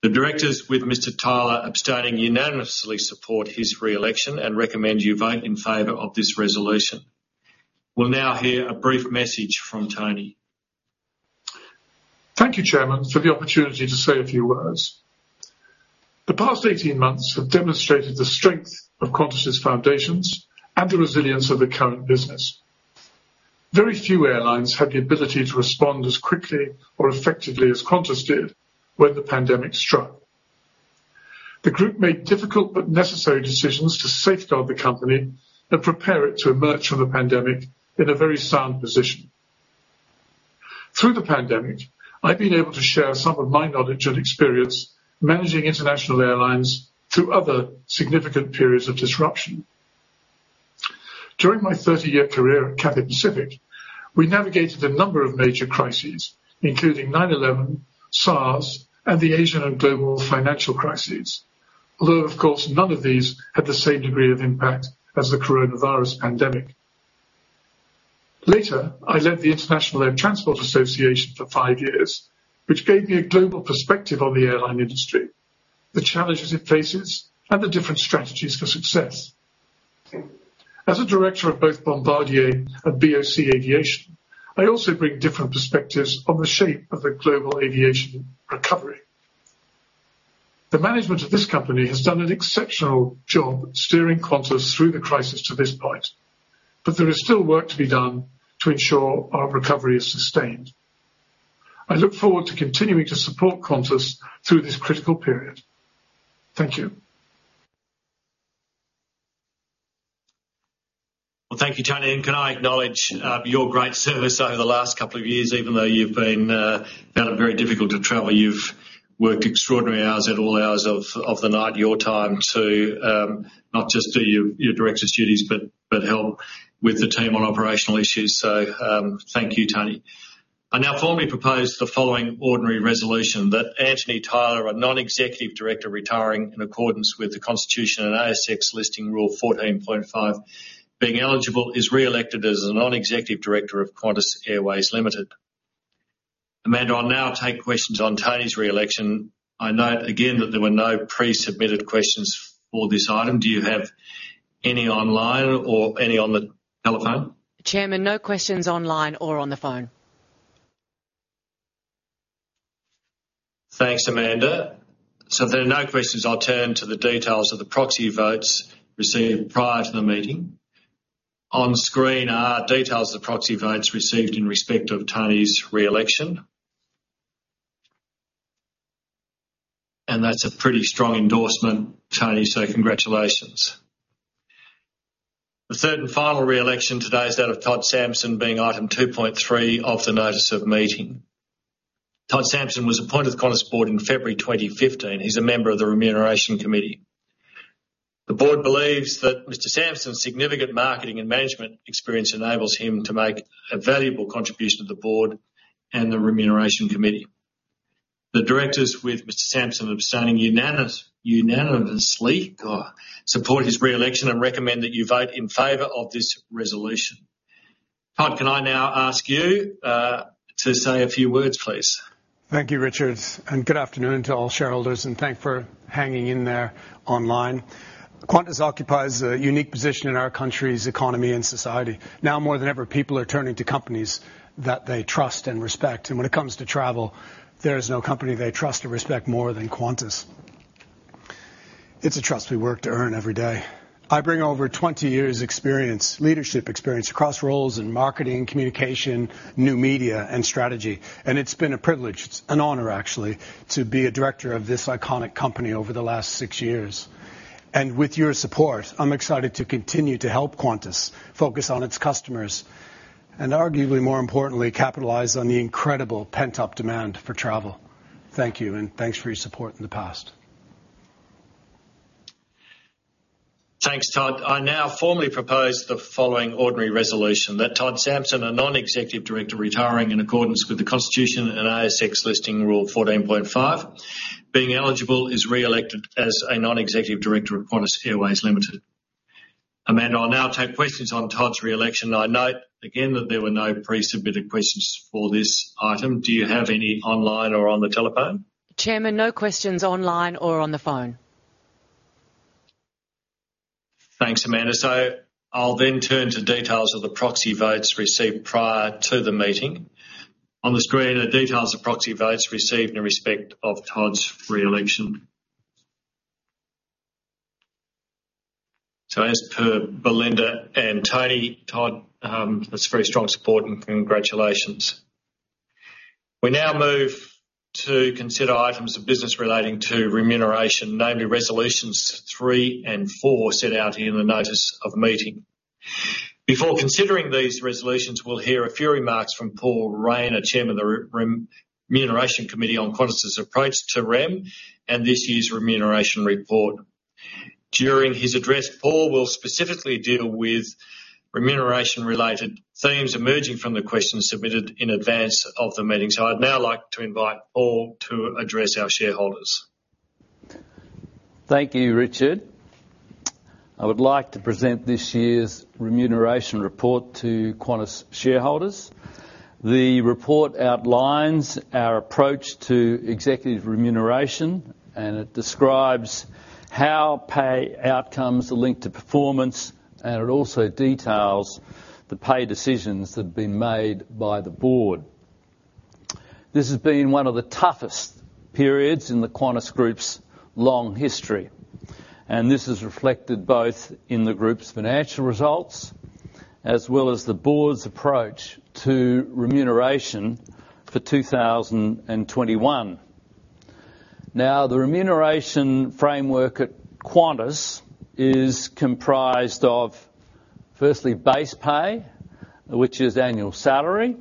S1: The directors with Mr. Tyler abstaining unanimously support his re-election and recommend you vote in favor of this resolution. We'll now hear a brief message from Tony.
S9: Thank you Chairman, for the opportunity to say a few words. The past 18 months have demonstrated the strength of Qantas's foundations and the resilience of the current business. Very few airlines have the ability to respond as quickly or effectively as Qantas did when the pandemic struck. The group made difficult but necessary decisions to safeguard the company and prepare it to emerge from the pandemic in a very sound position. Through the pandemic, I've been able to share some of my knowledge and experience managing international airlines through other significant periods of disruption. During my 30-year career at Cathay Pacific, we navigated a number of major crises, including 9/11, SARS, and the Asian and global financial crises, although, of course, none of these had the same degree of impact as the coronavirus pandemic. Later, I led the International Air Transport Association for five years, which gave me a global perspective on the airline industry, the challenges it faces, and the different strategies for success. As a director of both Bombardier and BOC Aviation, I also bring different perspectives on the shape of the global aviation recovery. The management of this company has done an exceptional job steering Qantas through the crisis to this point, but there is still work to be done to ensure our recovery is sustained. I look forward to continuing to support Qantas through this critical period. Thank you.
S1: Well, thank you Tony, and can I acknowledge your great service over the last couple of years, even though you've found it very difficult to travel. You've worked extraordinary hours at all hours of the night, your time to not just do your director's duties, but help with the team on operational issues. Thank you, Tony. I now formally propose the following ordinary resolution that Antony Tyler, a non-executive director, retiring in accordance with the Constitution and ASX Listing Rule 14.5, being eligible, is re-elected as a non-executive director of Qantas Airways Limited. Amanda, I'll now take questions on Tony's re-election. I note again that there were no pre-submitted questions for this item. Do you have any online or any on the telephone?
S3: Chairman, no questions online or on the phone.
S1: Thanks Amanda. So if there are no questions, I'll turn to the details of the proxy votes received prior to the meeting. On screen are details of proxy votes received in respect of Tony's re-election. That's a pretty strong endorsement, Tony, so congratulations. The third and final re-election today is that of Todd Sampson being item 2.3 of the notice of meeting. Todd Sampson was appointed to the Qantas Board in February 2015. He's a member of the Remuneration Committee. The board believes that Mr. Sampson's significant marketing and management experience enables him to make a valuable contribution to the board and the Remuneration Committee. The directors with Mr. Sampson abstaining unanimously support his re-election and recommend that you vote in favor of this resolution. Todd, can I now ask you to say a few words, please?
S10: Thank you Richard, and good afternoon to all shareholders, and thanks for hanging in there online. Qantas occupies a unique position in our country's economy and society. Now more than ever, people are turning to companies that they trust and respect, and when it comes to travel, there is no company they trust or respect more than Qantas. It's a trust we work to earn every day. I bring over 20 years experience, leadership experience across roles in marketing, communication, new media, and strategy. It's been a privilege, it's an honor actually, to be a director of this iconic company over the last 6 years. With your support, I'm excited to continue to help Qantas focus on its customers and arguably, more importantly, capitalize on the incredible pent-up demand for travel. Thank you, and thanks for your support in the past.
S1: Thanks Todd. I now formally propose the following ordinary resolution: that Todd Sampson, a non-executive director retiring in accordance with the Constitution and ASX Listing Rule 14.5, being eligible, is re-elected as a non-executive director of Qantas Airways Limited. Amanda, I'll now take questions on Todd's re-election. I note again that there were no pre-submitted questions for this item. Do you have any online or on the telephone?
S3: Chairman, no questions online or on the phone.
S1: Thanks Amanda. I'll then turn to details of the proxy votes received prior to the meeting. On the screen are details of proxy votes received in respect of Todd's re-election. As per Belinda and Tony, Todd, that's very strong support, and congratulations. We now move to consider items of business relating to remuneration, namely resolutions 3 and 4 set out in the notice of meeting. Before considering these resolutions, we'll hear a few remarks from Paul Rayner, the Chairman of the Remuneration Committee, on Qantas' approach to rem and this year's remuneration report. During his address, Paul Rayner will specifically deal with remuneration-related themes emerging from the questions submitted in advance of the meeting. I'd now like to invite Paul Rayner to address our shareholders.
S11: Thank you Richard. I would like to present this year's remuneration report to Qantas shareholders. The report outlines our approach to executive remuneration, and it describes how pay outcomes are linked to performance, and it also details the pay decisions that have been made by the board. This has been one of the toughest periods in the Qantas Group's long history, and this is reflected both in the Group's financial results as well as the board's approach to remuneration for 2021. Now, the remuneration framework at Qantas is comprised of, firstly, base pay, which is annual salary.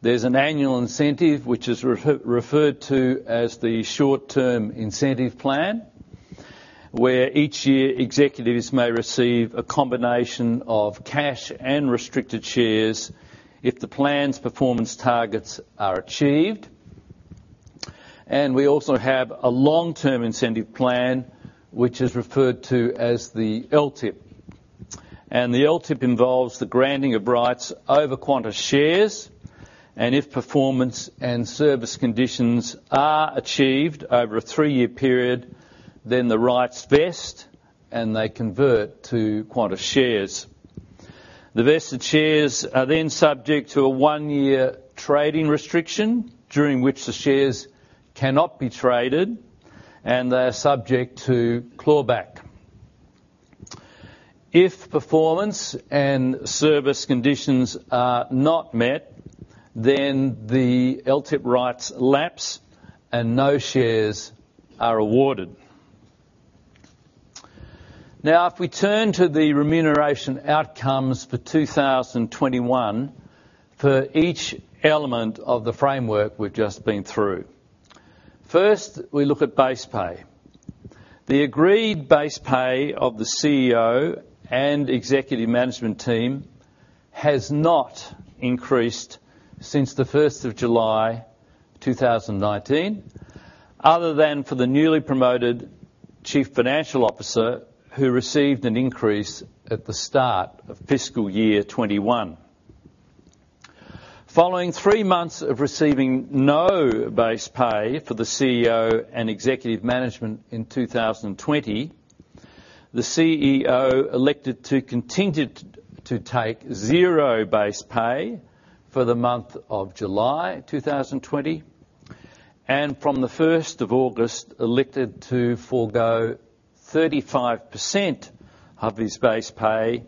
S11: There's an annual incentive which is referred to as the Short-Term Incentive Plan, where each year, executives may receive a combination of cash and restricted shares if the plan's performance targets are achieved. We also have a Long-Term Incentive Plan, which is referred to as the LTIP. The LTIP involves the granting of rights over Qantas shares, and if performance and service conditions are achieved over a 3-year period, then the rights vest and they convert to Qantas shares. The vested shares are then subject to a 1-year trading restriction during which the shares cannot be traded, and they're subject to clawback. If performance and service conditions are not met, then the LTIP rights lapse and no shares are awarded. Now, if we turn to the remuneration outcomes for 2021 for each element of the framework we've just been through. First, we look at base pay. The agreed base pay of the CEO and executive management team has not increased since July 1, 2019, other than for the newly promoted Chief Financial Officer, who received an increase at the start of FY 2021. Following three months of receiving no base pay for the CEO and executive management in 2020, the CEO elected to continue to take zero base pay for the month of July 2020, and from August 1 elected to forgo 35% of his base pay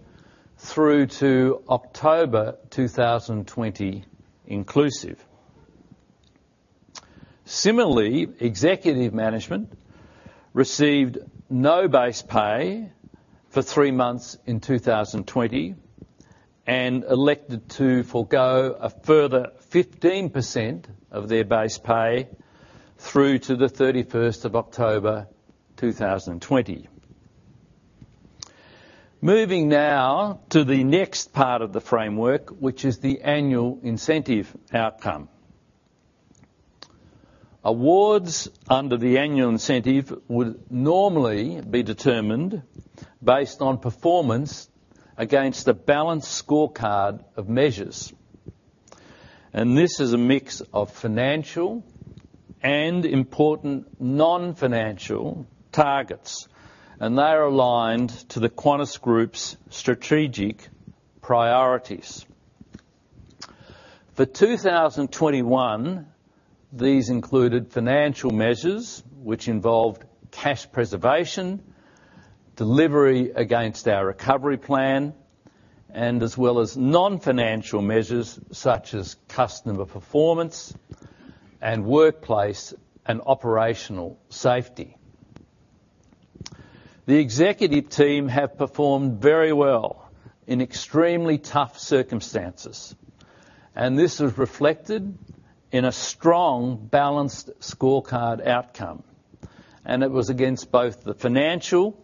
S11: through to October 2020 inclusive. Similarly, executive management received no base pay for three months in 2020 and elected to forgo a further 15% of their base pay through to October 31, 2020. Moving now to the next part of the framework, which is the annual incentive outcome. Awards under the annual incentive would normally be determined based on performance against the balanced scorecard of measures. This is a mix of financial and important non-financial targets, and they are aligned to the Qantas Group's strategic priorities. For 2021, these included financial measures which involved cash preservation, delivery against our recovery plan, and as well as non-financial measures such as customer performance and workplace and operational safety. The executive team have performed very well in extremely tough circumstances, and this is reflected in a strong balanced scorecard outcome, and it was against both the financial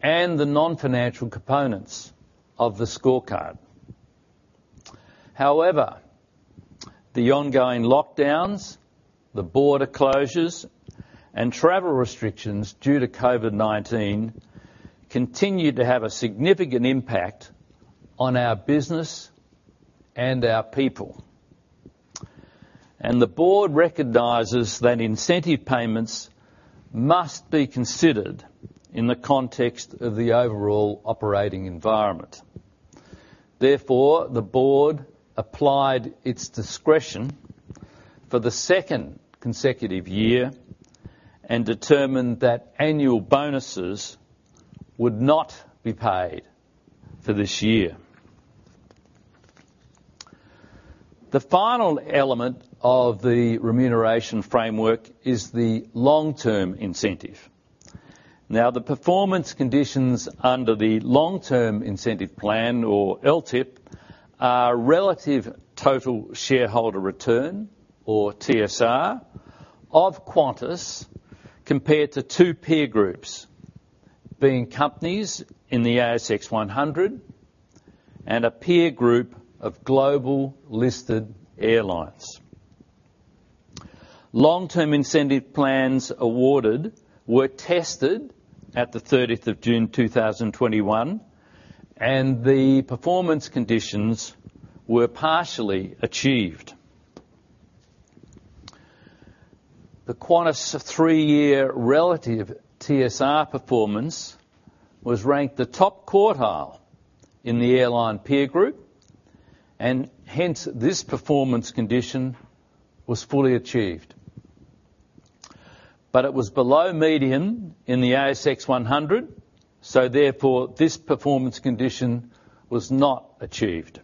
S11: and the non-financial components of the scorecard. However, the ongoing lockdowns, the border closures, and travel restrictions due to COVID-19 continue to have a significant impact on our business and our people. The board recognizes that incentive payments must be considered in the context of the overall operating environment. Therefore, the board applied its discretion for the second consecutive year and determined that annual bonuses would not be paid for this year. The final element of the remuneration framework is the long-term incentive. Now, the performance conditions under the long-term incentive plan or LTIP are relative total shareholder return, or TSR, of Qantas compared to two peer groups, being companies in the ASX 100 and a peer group of global listed airlines. Long-term incentive plans awarded were tested at the 13th of June 2021, and the performance conditions were partially achieved. The Qantas three-year relative TSR performance was ranked the top quartile in the airline peer group, and hence, this performance condition was fully achieved. It was below median in the ASX 100, so therefore, this performance condition was not achieved.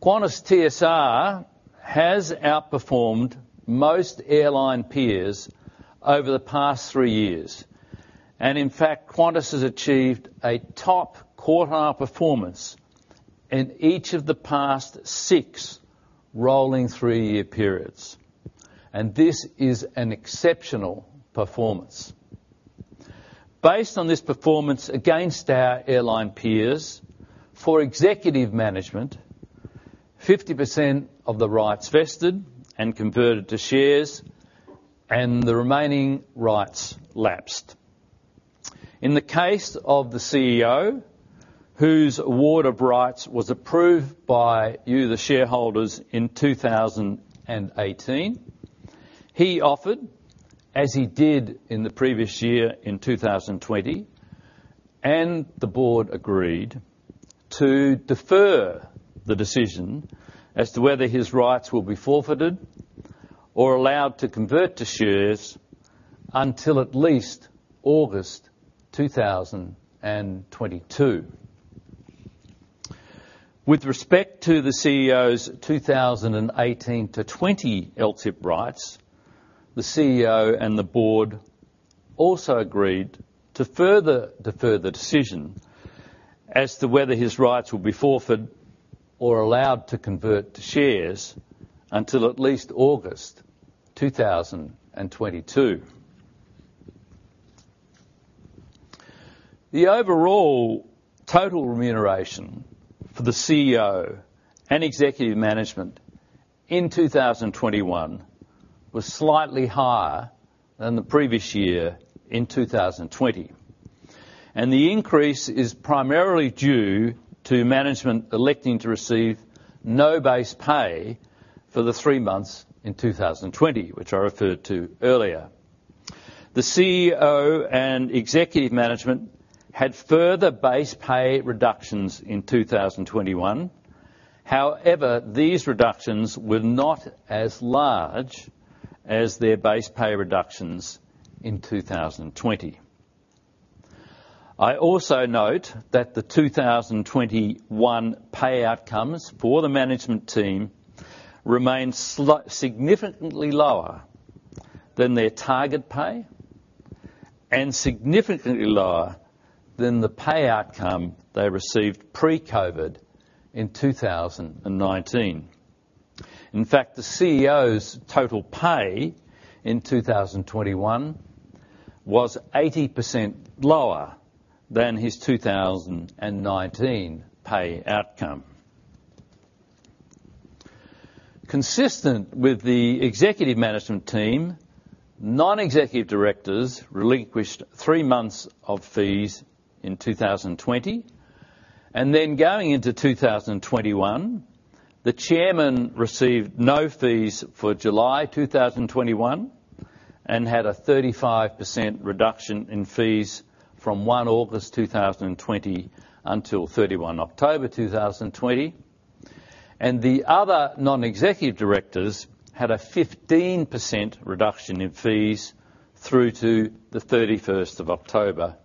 S11: Qantas TSR has outperformed most airline peers over the past 3 years, and in fact, Qantas has achieved a top quartile performance in each of the past 6 rolling 3-year periods. This is an exceptional performance. Based on this performance against our airline peers, for executive management, 50% of the rights vested and converted to shares, and the remaining rights lapsed. In the case of the CEO, whose award of rights was approved by you, the shareholders, in 2018, he offered, as he did in the previous year in 2020, and the board agreed to defer the decision as to whether his rights will be forfeited or allowed to convert to shares until at least August 2022. With respect to the CEO's 2018 to 2020 LTIP rights, the CEO and the board also agreed to further defer the decision as to whether his rights will be forfeited or allowed to convert to shares until at least August 2022. The overall total remuneration for the CEO and executive management in 2021 was slightly higher than the previous year in 2020. The increase is primarily due to management electing to receive no base pay for the three months in 2020, which I referred to earlier. The CEO and executive management had further base pay reductions in 2021. However, these reductions were not as large as their base pay reductions in 2020. I also note that the 2021 pay outcomes for the management team remain significantly lower than their target pay and significantly lower than the pay outcome they received pre-COVID in 2019. In fact, the CEO's total pay in 2021 was 80% lower than his 2019 pay outcome. Consistent with the executive management team, non-executive directors relinquished three months of fees in 2020. Going into 2021, the chairman received no fees for July 2021 and had a 35% reduction in fees from 1 August 2020 until 31 October 2020. The other non-executive directors had a 15% reduction in fees through to the 31st of October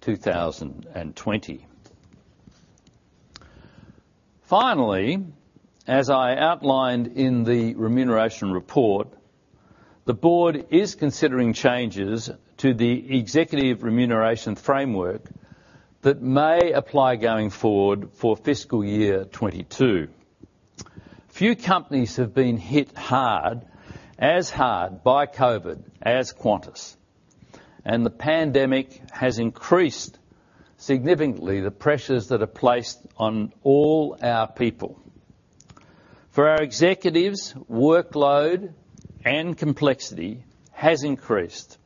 S11: 2020. Finally, as I outlined in the remuneration report, the board is considering changes to the executive remuneration framework that may apply going forward for fiscal year 2022. Few companies have been hit hard, as hard by COVID as Qantas, and the pandemic has increased significantly the pressures that are placed on all our people. For our executives, workload and complexity has increased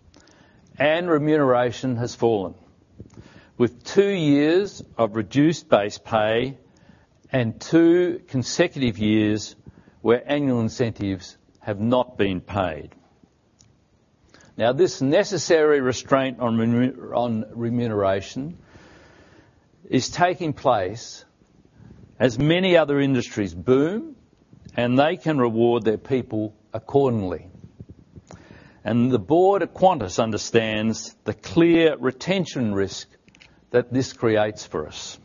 S11: and remuneration has fallen with two years of reduced base pay and two consecutive years where annual incentives have not been paid. Now, this necessary restraint on remuneration is taking place as many other industries boom, and they can reward their people accordingly. The board at Qantas understands the clear retention risk that this creates for us.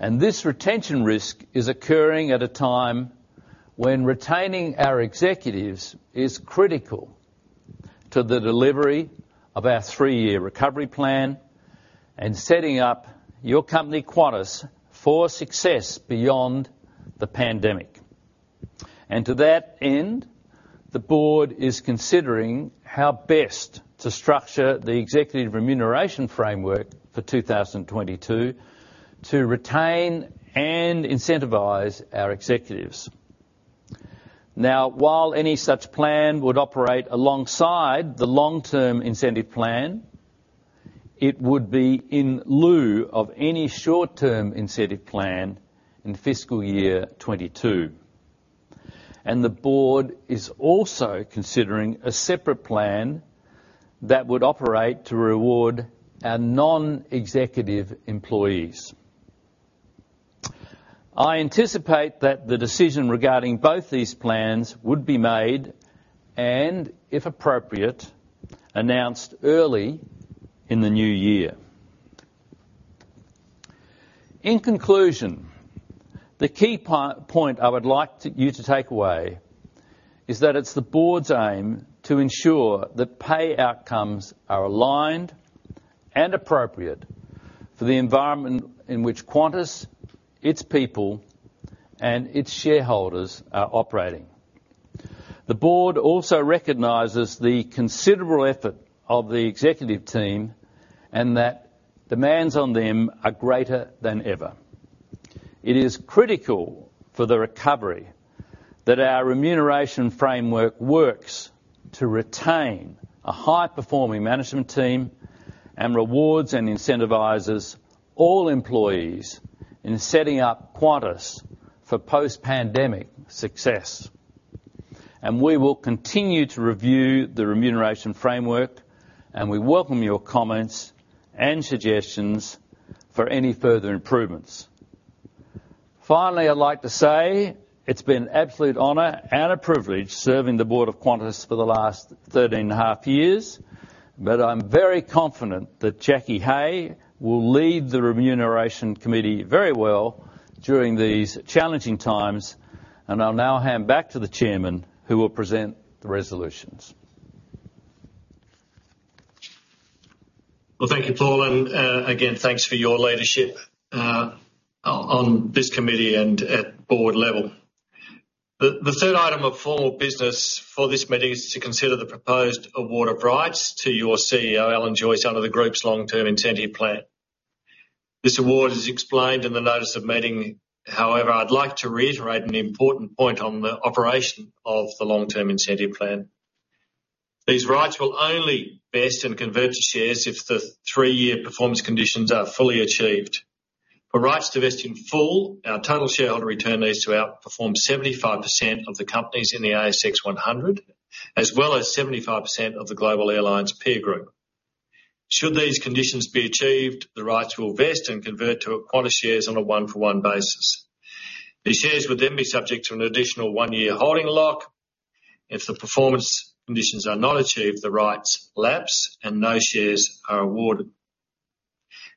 S11: This retention risk is occurring at a time when retaining our executives is critical to the delivery of our three-year recovery plan and setting up your company, Qantas, for success beyond the pandemic. To that end, the board is considering how best to structure the executive remuneration framework for 2022 to retain and incentivize our executives. Now, while any such plan would operate alongside the Long Term Incentive Plan, it would be in lieu of any short-term incentive plan in fiscal year 2022. The board is also considering a separate plan that would operate to reward our non-executive employees. I anticipate that the decision regarding both these plans would be made and, if appropriate, announced early in the new year. In conclusion, the key point I would like you to take away is that it's the board's aim to ensure that pay outcomes are aligned and appropriate for the environment in which Qantas, its people, and its shareholders are operating. The board also recognizes the considerable effort of the executive team and that demands on them are greater than ever. It is critical for the recovery that our remuneration framework works to retain a high-performing management team and rewards and incentivizes all employees in setting up Qantas for post-pandemic success. We will continue to review the remuneration framework, and we welcome your comments and suggestions for any further improvements. Finally, I'd like to say it's been an absolute honor and a privilege serving the board of Qantas for the last 13.5 years, but I'm very confident that Jacquie Hay will lead the Remuneration Committee very well during these challenging times. I'll now hand back to the chairman who will present the resolutions.
S1: Well, thank you, Paul, and again, thanks for your leadership on this committee and at board level. The third item of formal business for this meeting is to consider the proposed award of rights to your CEO, Alan Joyce, under the group's Long Term Incentive Plan. This award is explained in the notice of meeting. However, I'd like to reiterate an important point on the operation of the Long Term Incentive Plan. These rights will only vest and convert to shares if the three-year performance conditions are fully achieved. For rights to vest in full, our total shareholder return needs to outperform 75% of the companies in the ASX 100 as well as 75% of the global airlines peer group. Should these conditions be achieved, the rights will vest and convert to Qantas shares on a one-for-one basis. These shares would then be subject to an additional one-year holding lock. If the performance conditions are not achieved, the rights lapse and no shares are awarded.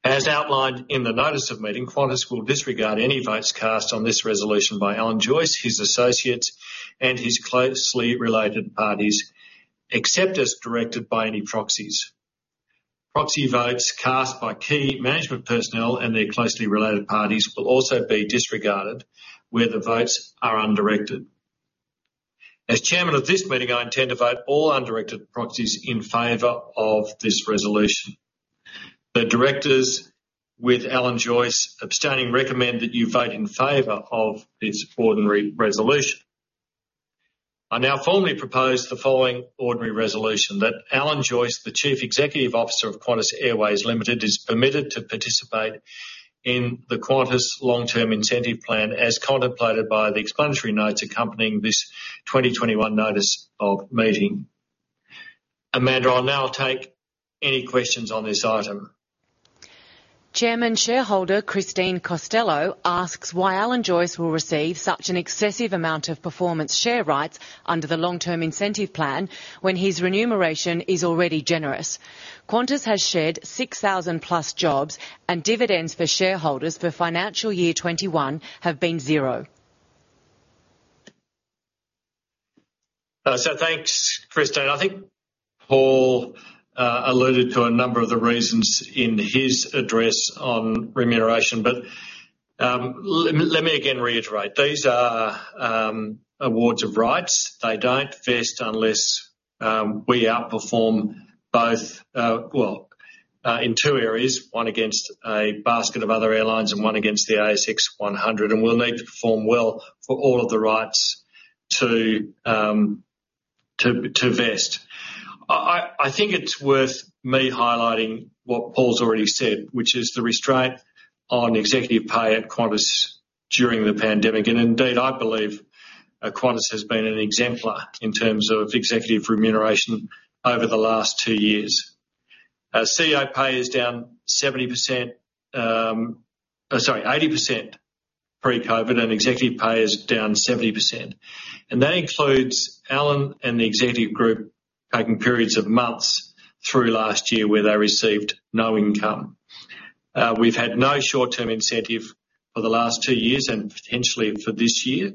S1: As outlined in the notice of meeting, Qantas will disregard any votes cast on this resolution by Alan Joyce, his associates, and his closely related parties, except as directed by any proxies. Proxy votes cast by key management personnel and their closely related parties will also be disregarded where the votes are undirected. As chairman of this meeting, I intend to vote all undirected proxies in favor of this resolution. The directors, with Alan Joyce abstaining, recommend that you vote in favor of this ordinary resolution. I now formally propose the following ordinary resolution that Alan Joyce, the Chief Executive Officer of Qantas Airways Limited, is permitted to participate in the Qantas Long Term Incentive Plan as contemplated by the explanatory notes accompanying this 2021 notice of meeting. Amanda, I'll now take any questions on this item.
S3: Chairman, shareholder Christine Costello asks why Alan Joyce will receive such an excessive amount of performance share rights under the Long Term Incentive Plan when his remuneration is already generous. Qantas has shed 6,000+ jobs and dividends for shareholders for FY 2021 have been 0.
S1: Thanks Christine. I think Paul alluded to a number of the reasons in his address on remuneration. Let me again reiterate, these are awards of rights. They don't vest unless we outperform both, well, in two areas, one against a basket of other airlines and one against the ASX 100, and we'll need to perform well for all of the rights to vest. I think it's worth me highlighting what Paul has already said, which is the restraint on executive pay at Qantas during the pandemic. Indeed, I believe Qantas has been an exemplar in terms of executive remuneration over the last two years. As CEO pay is down 80% pre-COVID and executive pay is down 70%. That includes Alan and the executive group taking periods of months through last year where they received no income. We've had no short-term incentive for the last two years and potentially for this year.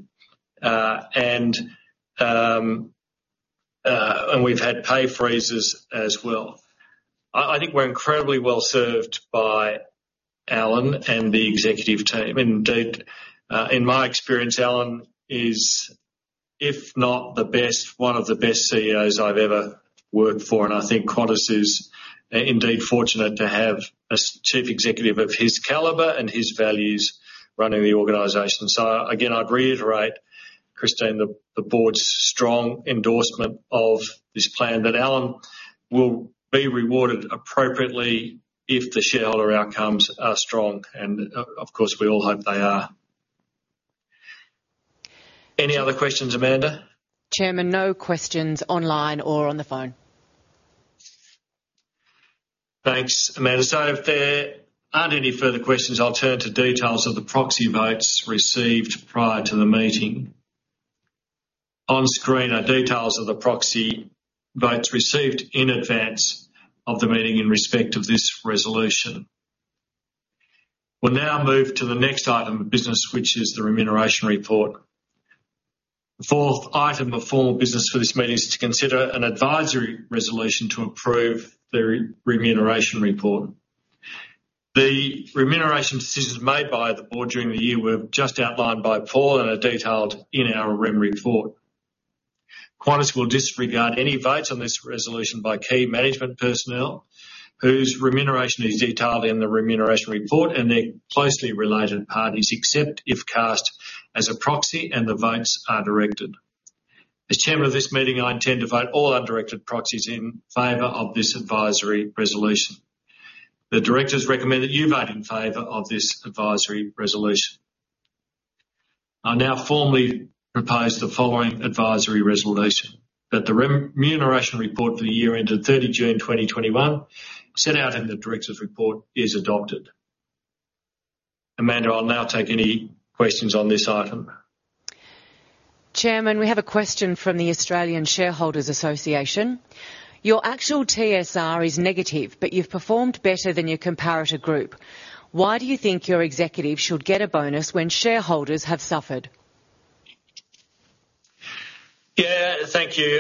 S1: We've had pay freezes as well. I think we're incredibly well-served by Alan and the executive team. Indeed, in my experience, Alan is, if not the best, one of the best CEOs I've ever worked for, and I think Qantas is, indeed fortunate to have a Chief Executive of his caliber and his values running the organization. Again, I'd reiterate, Christine, the board's strong endorsement of this plan that Alan will be rewarded appropriately if the shareholder outcomes are strong, and of course, we all hope they are. Any other questions, Amanda?
S3: Chairman, no questions online or on the phone.
S1: Thanks Amanda. If there aren't any further questions, I'll turn to details of the proxy votes received prior to the meeting. On screen are details of the proxy votes received in advance of the meeting in respect of this resolution. We'll now move to the next item of business, which is the remuneration report. The fourth item of formal business for this meeting is to consider an advisory resolution to approve the remuneration report. The remuneration decisions made by the board during the year were just outlined by Paul and are detailed in our rem report. Qantas will disregard any votes on this resolution by key management personnel whose remuneration is detailed in the remuneration report and their closely related parties, except if cast as a proxy and the votes are directed. As Chairman of this meeting, I intend to vote all undirected proxies in favor of this advisory resolution. The directors recommend that you vote in favor of this advisory resolution. I now formally propose the following advisory resolution that the remuneration report for the year ended 30 June 2021, set out in the directors' report, is adopted. Amanda, I'll now take any questions on this item.
S3: Chairman, we have a question from the Australian Shareholders' Association. Your actual TSR is negative, but you've performed better than your comparator group. Why do you think your executive should get a bonus when shareholders have suffered?
S1: Yeah, thank you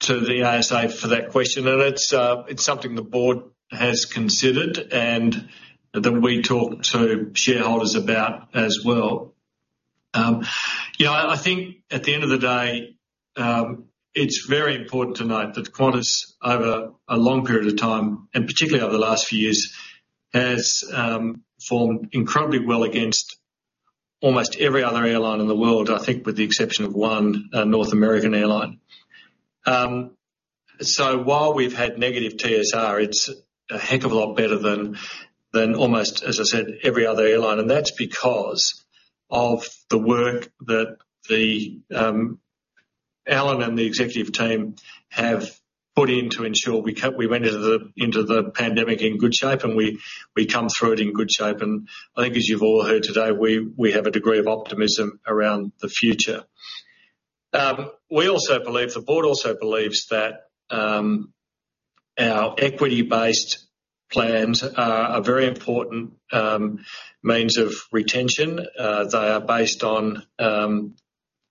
S1: to the ASA for that question. It's something the board has considered and that we talk to shareholders about as well. Yeah, I think at the end of the day, it's very important to note that Qantas, over a long period of time, and particularly over the last few years, has formed incredibly well against almost every other airline in the world, I think with the exception of one North American airline. While we've had negative TSR, it's a heck of a lot better than almost, as I said, every other airline. That's because of the work that the Alan and the executive team have put in to ensure we went into the pandemic in good shape, and we come through it in good shape. I think as you've all heard today, we have a degree of optimism around the future. We also believe, the board also believes that our equity-based plans are very important means of retention. They are based on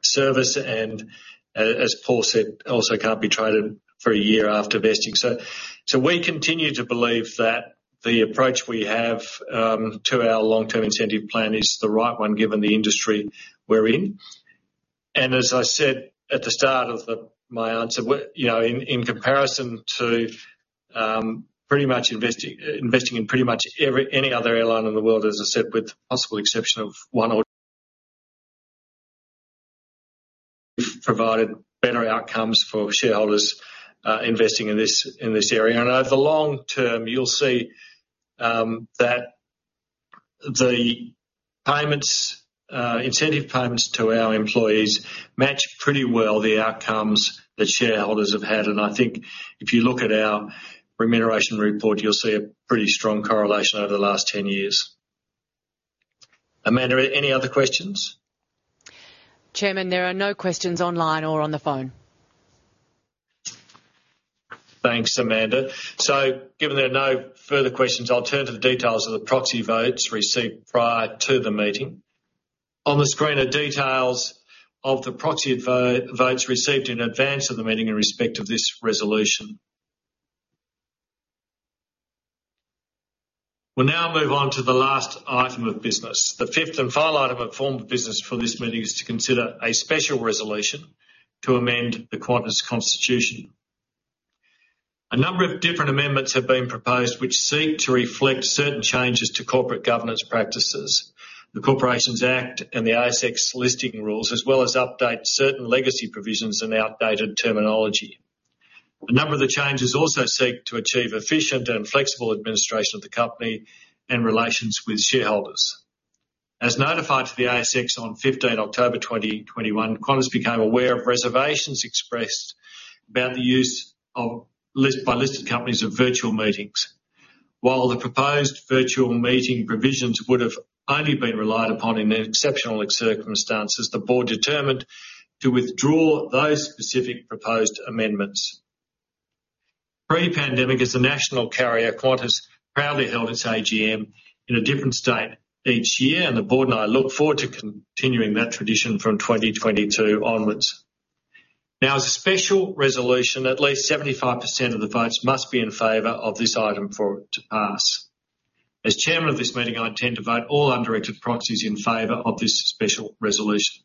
S1: service and as Paul said, also can't be traded for a year after vesting. So we continue to believe that the approach we have to our Long Term Incentive Plan is the right one given the industry we're in. As I said at the start of my answer, you know, in comparison to pretty much investing in pretty much every other airline in the world, as I said, with the possible exception of one or two provided better outcomes for shareholders investing in this area. Over the long term, you'll see that the payments, incentive payments to our employees match pretty well the outcomes that shareholders have had. I think if you look at our remuneration report, you'll see a pretty strong correlation over the last 10 years. Amanda, any other questions?
S3: Chairman, there are no questions online or on the phone.
S1: Thanks Amanda. Given there are no further questions, I'll turn to the details of the proxy votes received prior to the meeting. On the screen are details of the proxy votes received in advance of the meeting in respect of this resolution. We'll now move on to the last item of business. The fifth and final item of formal business for this meeting is to consider a special resolution to amend the Qantas Constitution. A number of different amendments have been proposed which seek to reflect certain changes to corporate governance practices, the Corporations Act, and the ASX Listing Rules, as well as update certain legacy provisions and outdated terminology. A number of the changes also seek to achieve efficient and flexible administration of the company and relations with shareholders. As notified to the ASX on 15th October 2021, Qantas became aware of reservations expressed about the use by listed companies of virtual meetings. While the proposed virtual meeting provisions would have only been relied upon in exceptional circumstances, the board determined to withdraw those specific proposed amendments. Pre-pandemic, as the national carrier, Qantas proudly held its AGM in a different state each year, and the board and I look forward to continuing that tradition from 2022 onwards. Now, as a special resolution, at least 75% of the votes must be in favor of this item for it to pass. As chairman of this meeting, I intend to vote all undirected proxies in favor of this special resolution.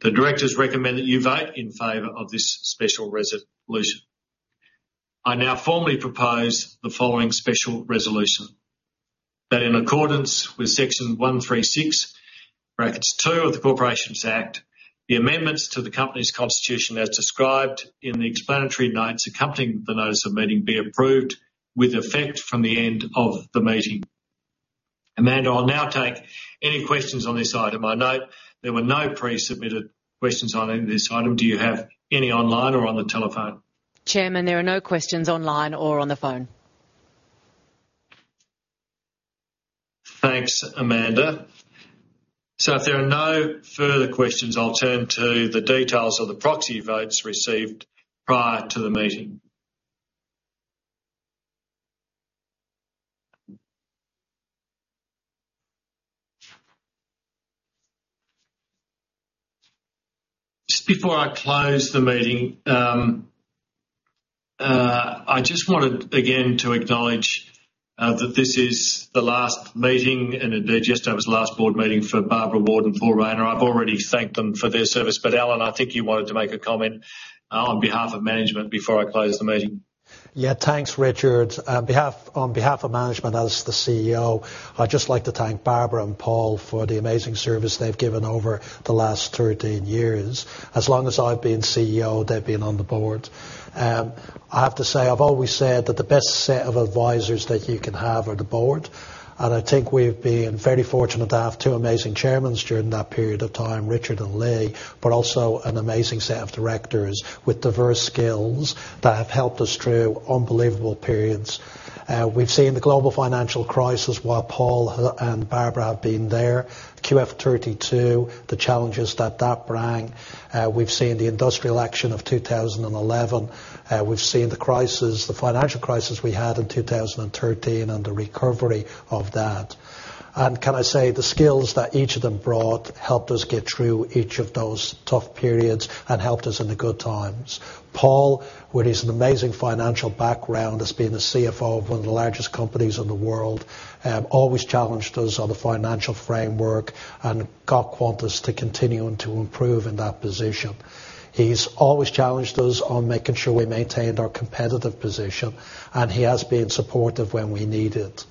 S1: The directors recommend that you vote in favor of this special resolution. I now formally propose the following special resolution that, in accordance with Section 136(2) of the Corporations Act, the amendments to the Company's Constitution, as described in the explanatory notes accompanying the notice of meeting, be approved with effect from the end of the meeting. Amanda, I'll now take any questions on this item. I note there were no pre-submitted questions on this item. Do you have any online or on the telephone?
S3: Chairman, there are no questions online or on the phone.
S1: Thanks Amanda. If there are no further questions, I'll turn to the details of the proxy votes received prior to the meeting. Just before I close the meeting, I just wanted again to acknowledge that this is the last meeting, and that there just was the last board meeting for Barbara Ward and Paul Rayner. I've already thanked them for their service. Alan, I think you wanted to make a comment on behalf of management before I close the meeting.
S2: Yeah. Thanks Richard. On behalf of management, as the CEO, I'd just like to thank Barbara and Paul for the amazing service they've given over the last 13 years. As long as I've been CEO, they've been on the board. I have to say, I've always said that the best set of advisors that you can have are the board, and I think we've been very fortunate to have two amazing chairmen during that period of time, Richard and Lee, but also an amazing set of directors with diverse skills that have helped us through unbelievable periods. We've seen the global financial crisis while Paul and Barbara have been there. QF32, the challenges that that brought. We've seen the industrial action of 2011. We've seen the crisis, the financial crisis we had in 2013 and the recovery of that. Can I say, the skills that each of them brought helped us get through each of those tough periods and helped us in the good times. Paul, with his amazing financial background as being the CFO of one of the largest companies in the world, always challenged us on the financial framework and got Qantas to continue to improve in that position. He's always challenged us on making sure we maintained our competitive position, and he has been supportive when we need it.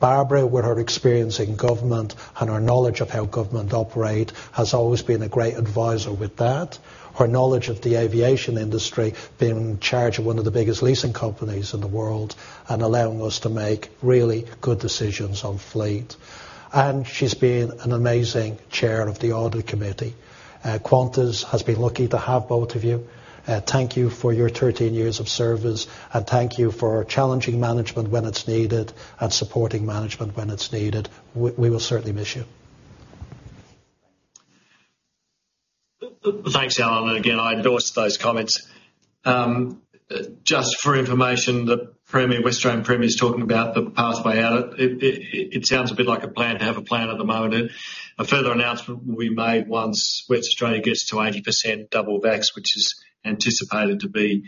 S2: Barbara, with her experience in government and her knowledge of how government operate, has always been a great advisor with that. Her knowledge of the aviation industry, being in charge of one of the biggest leasing companies in the world and allowing us to make really good decisions on fleet. She's been an amazing chair of the Audit Committee. Qantas has been lucky to have both of you. Thank you for your 13 years of service, and thank you for challenging management when it's needed and supporting management when it's needed. We will certainly miss you.
S1: Thanks Alan, and again, I endorse those comments. Just for information, the Premier, West Australian Premier is talking about the pathway out. It sounds a bit like a plan to have a plan at the moment. A further announcement will be made once Western Australia gets to 80% double vaxxed, which is anticipated to be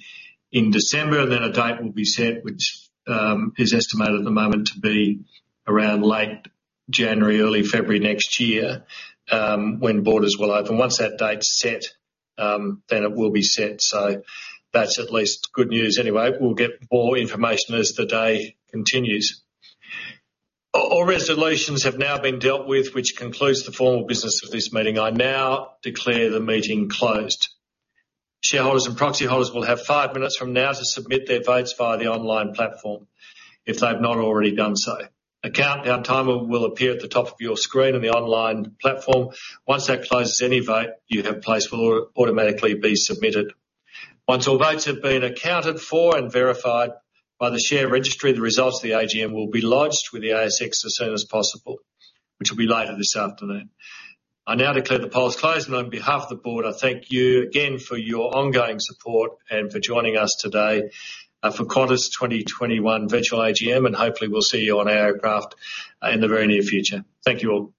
S1: in December. Then a date will be set, which is estimated at the moment to be around late January, early February next year, when borders will open. Once that date's set, then it will be set. That's at least good news anyway. We'll get more information as the day continues. All resolutions have now been dealt with, which concludes the formal business of this meeting. I now declare the meeting closed. Shareholders and proxy holders will have five minutes from now to submit their votes via the online platform if they've not already done so. A countdown timer will appear at the top of your screen on the online platform. Once that closes, any vote you have placed will automatically be submitted. Once all votes have been accounted for and verified by the share registry, the results of the AGM will be lodged with the ASX as soon as possible, which will be later this afternoon. I now declare the polls closed, and on behalf of the board, I thank you again for your ongoing support and for joining us today, for Qantas 2021 virtual AGM, and hopefully we'll see you on our aircraft, in the very near future. Thank you all.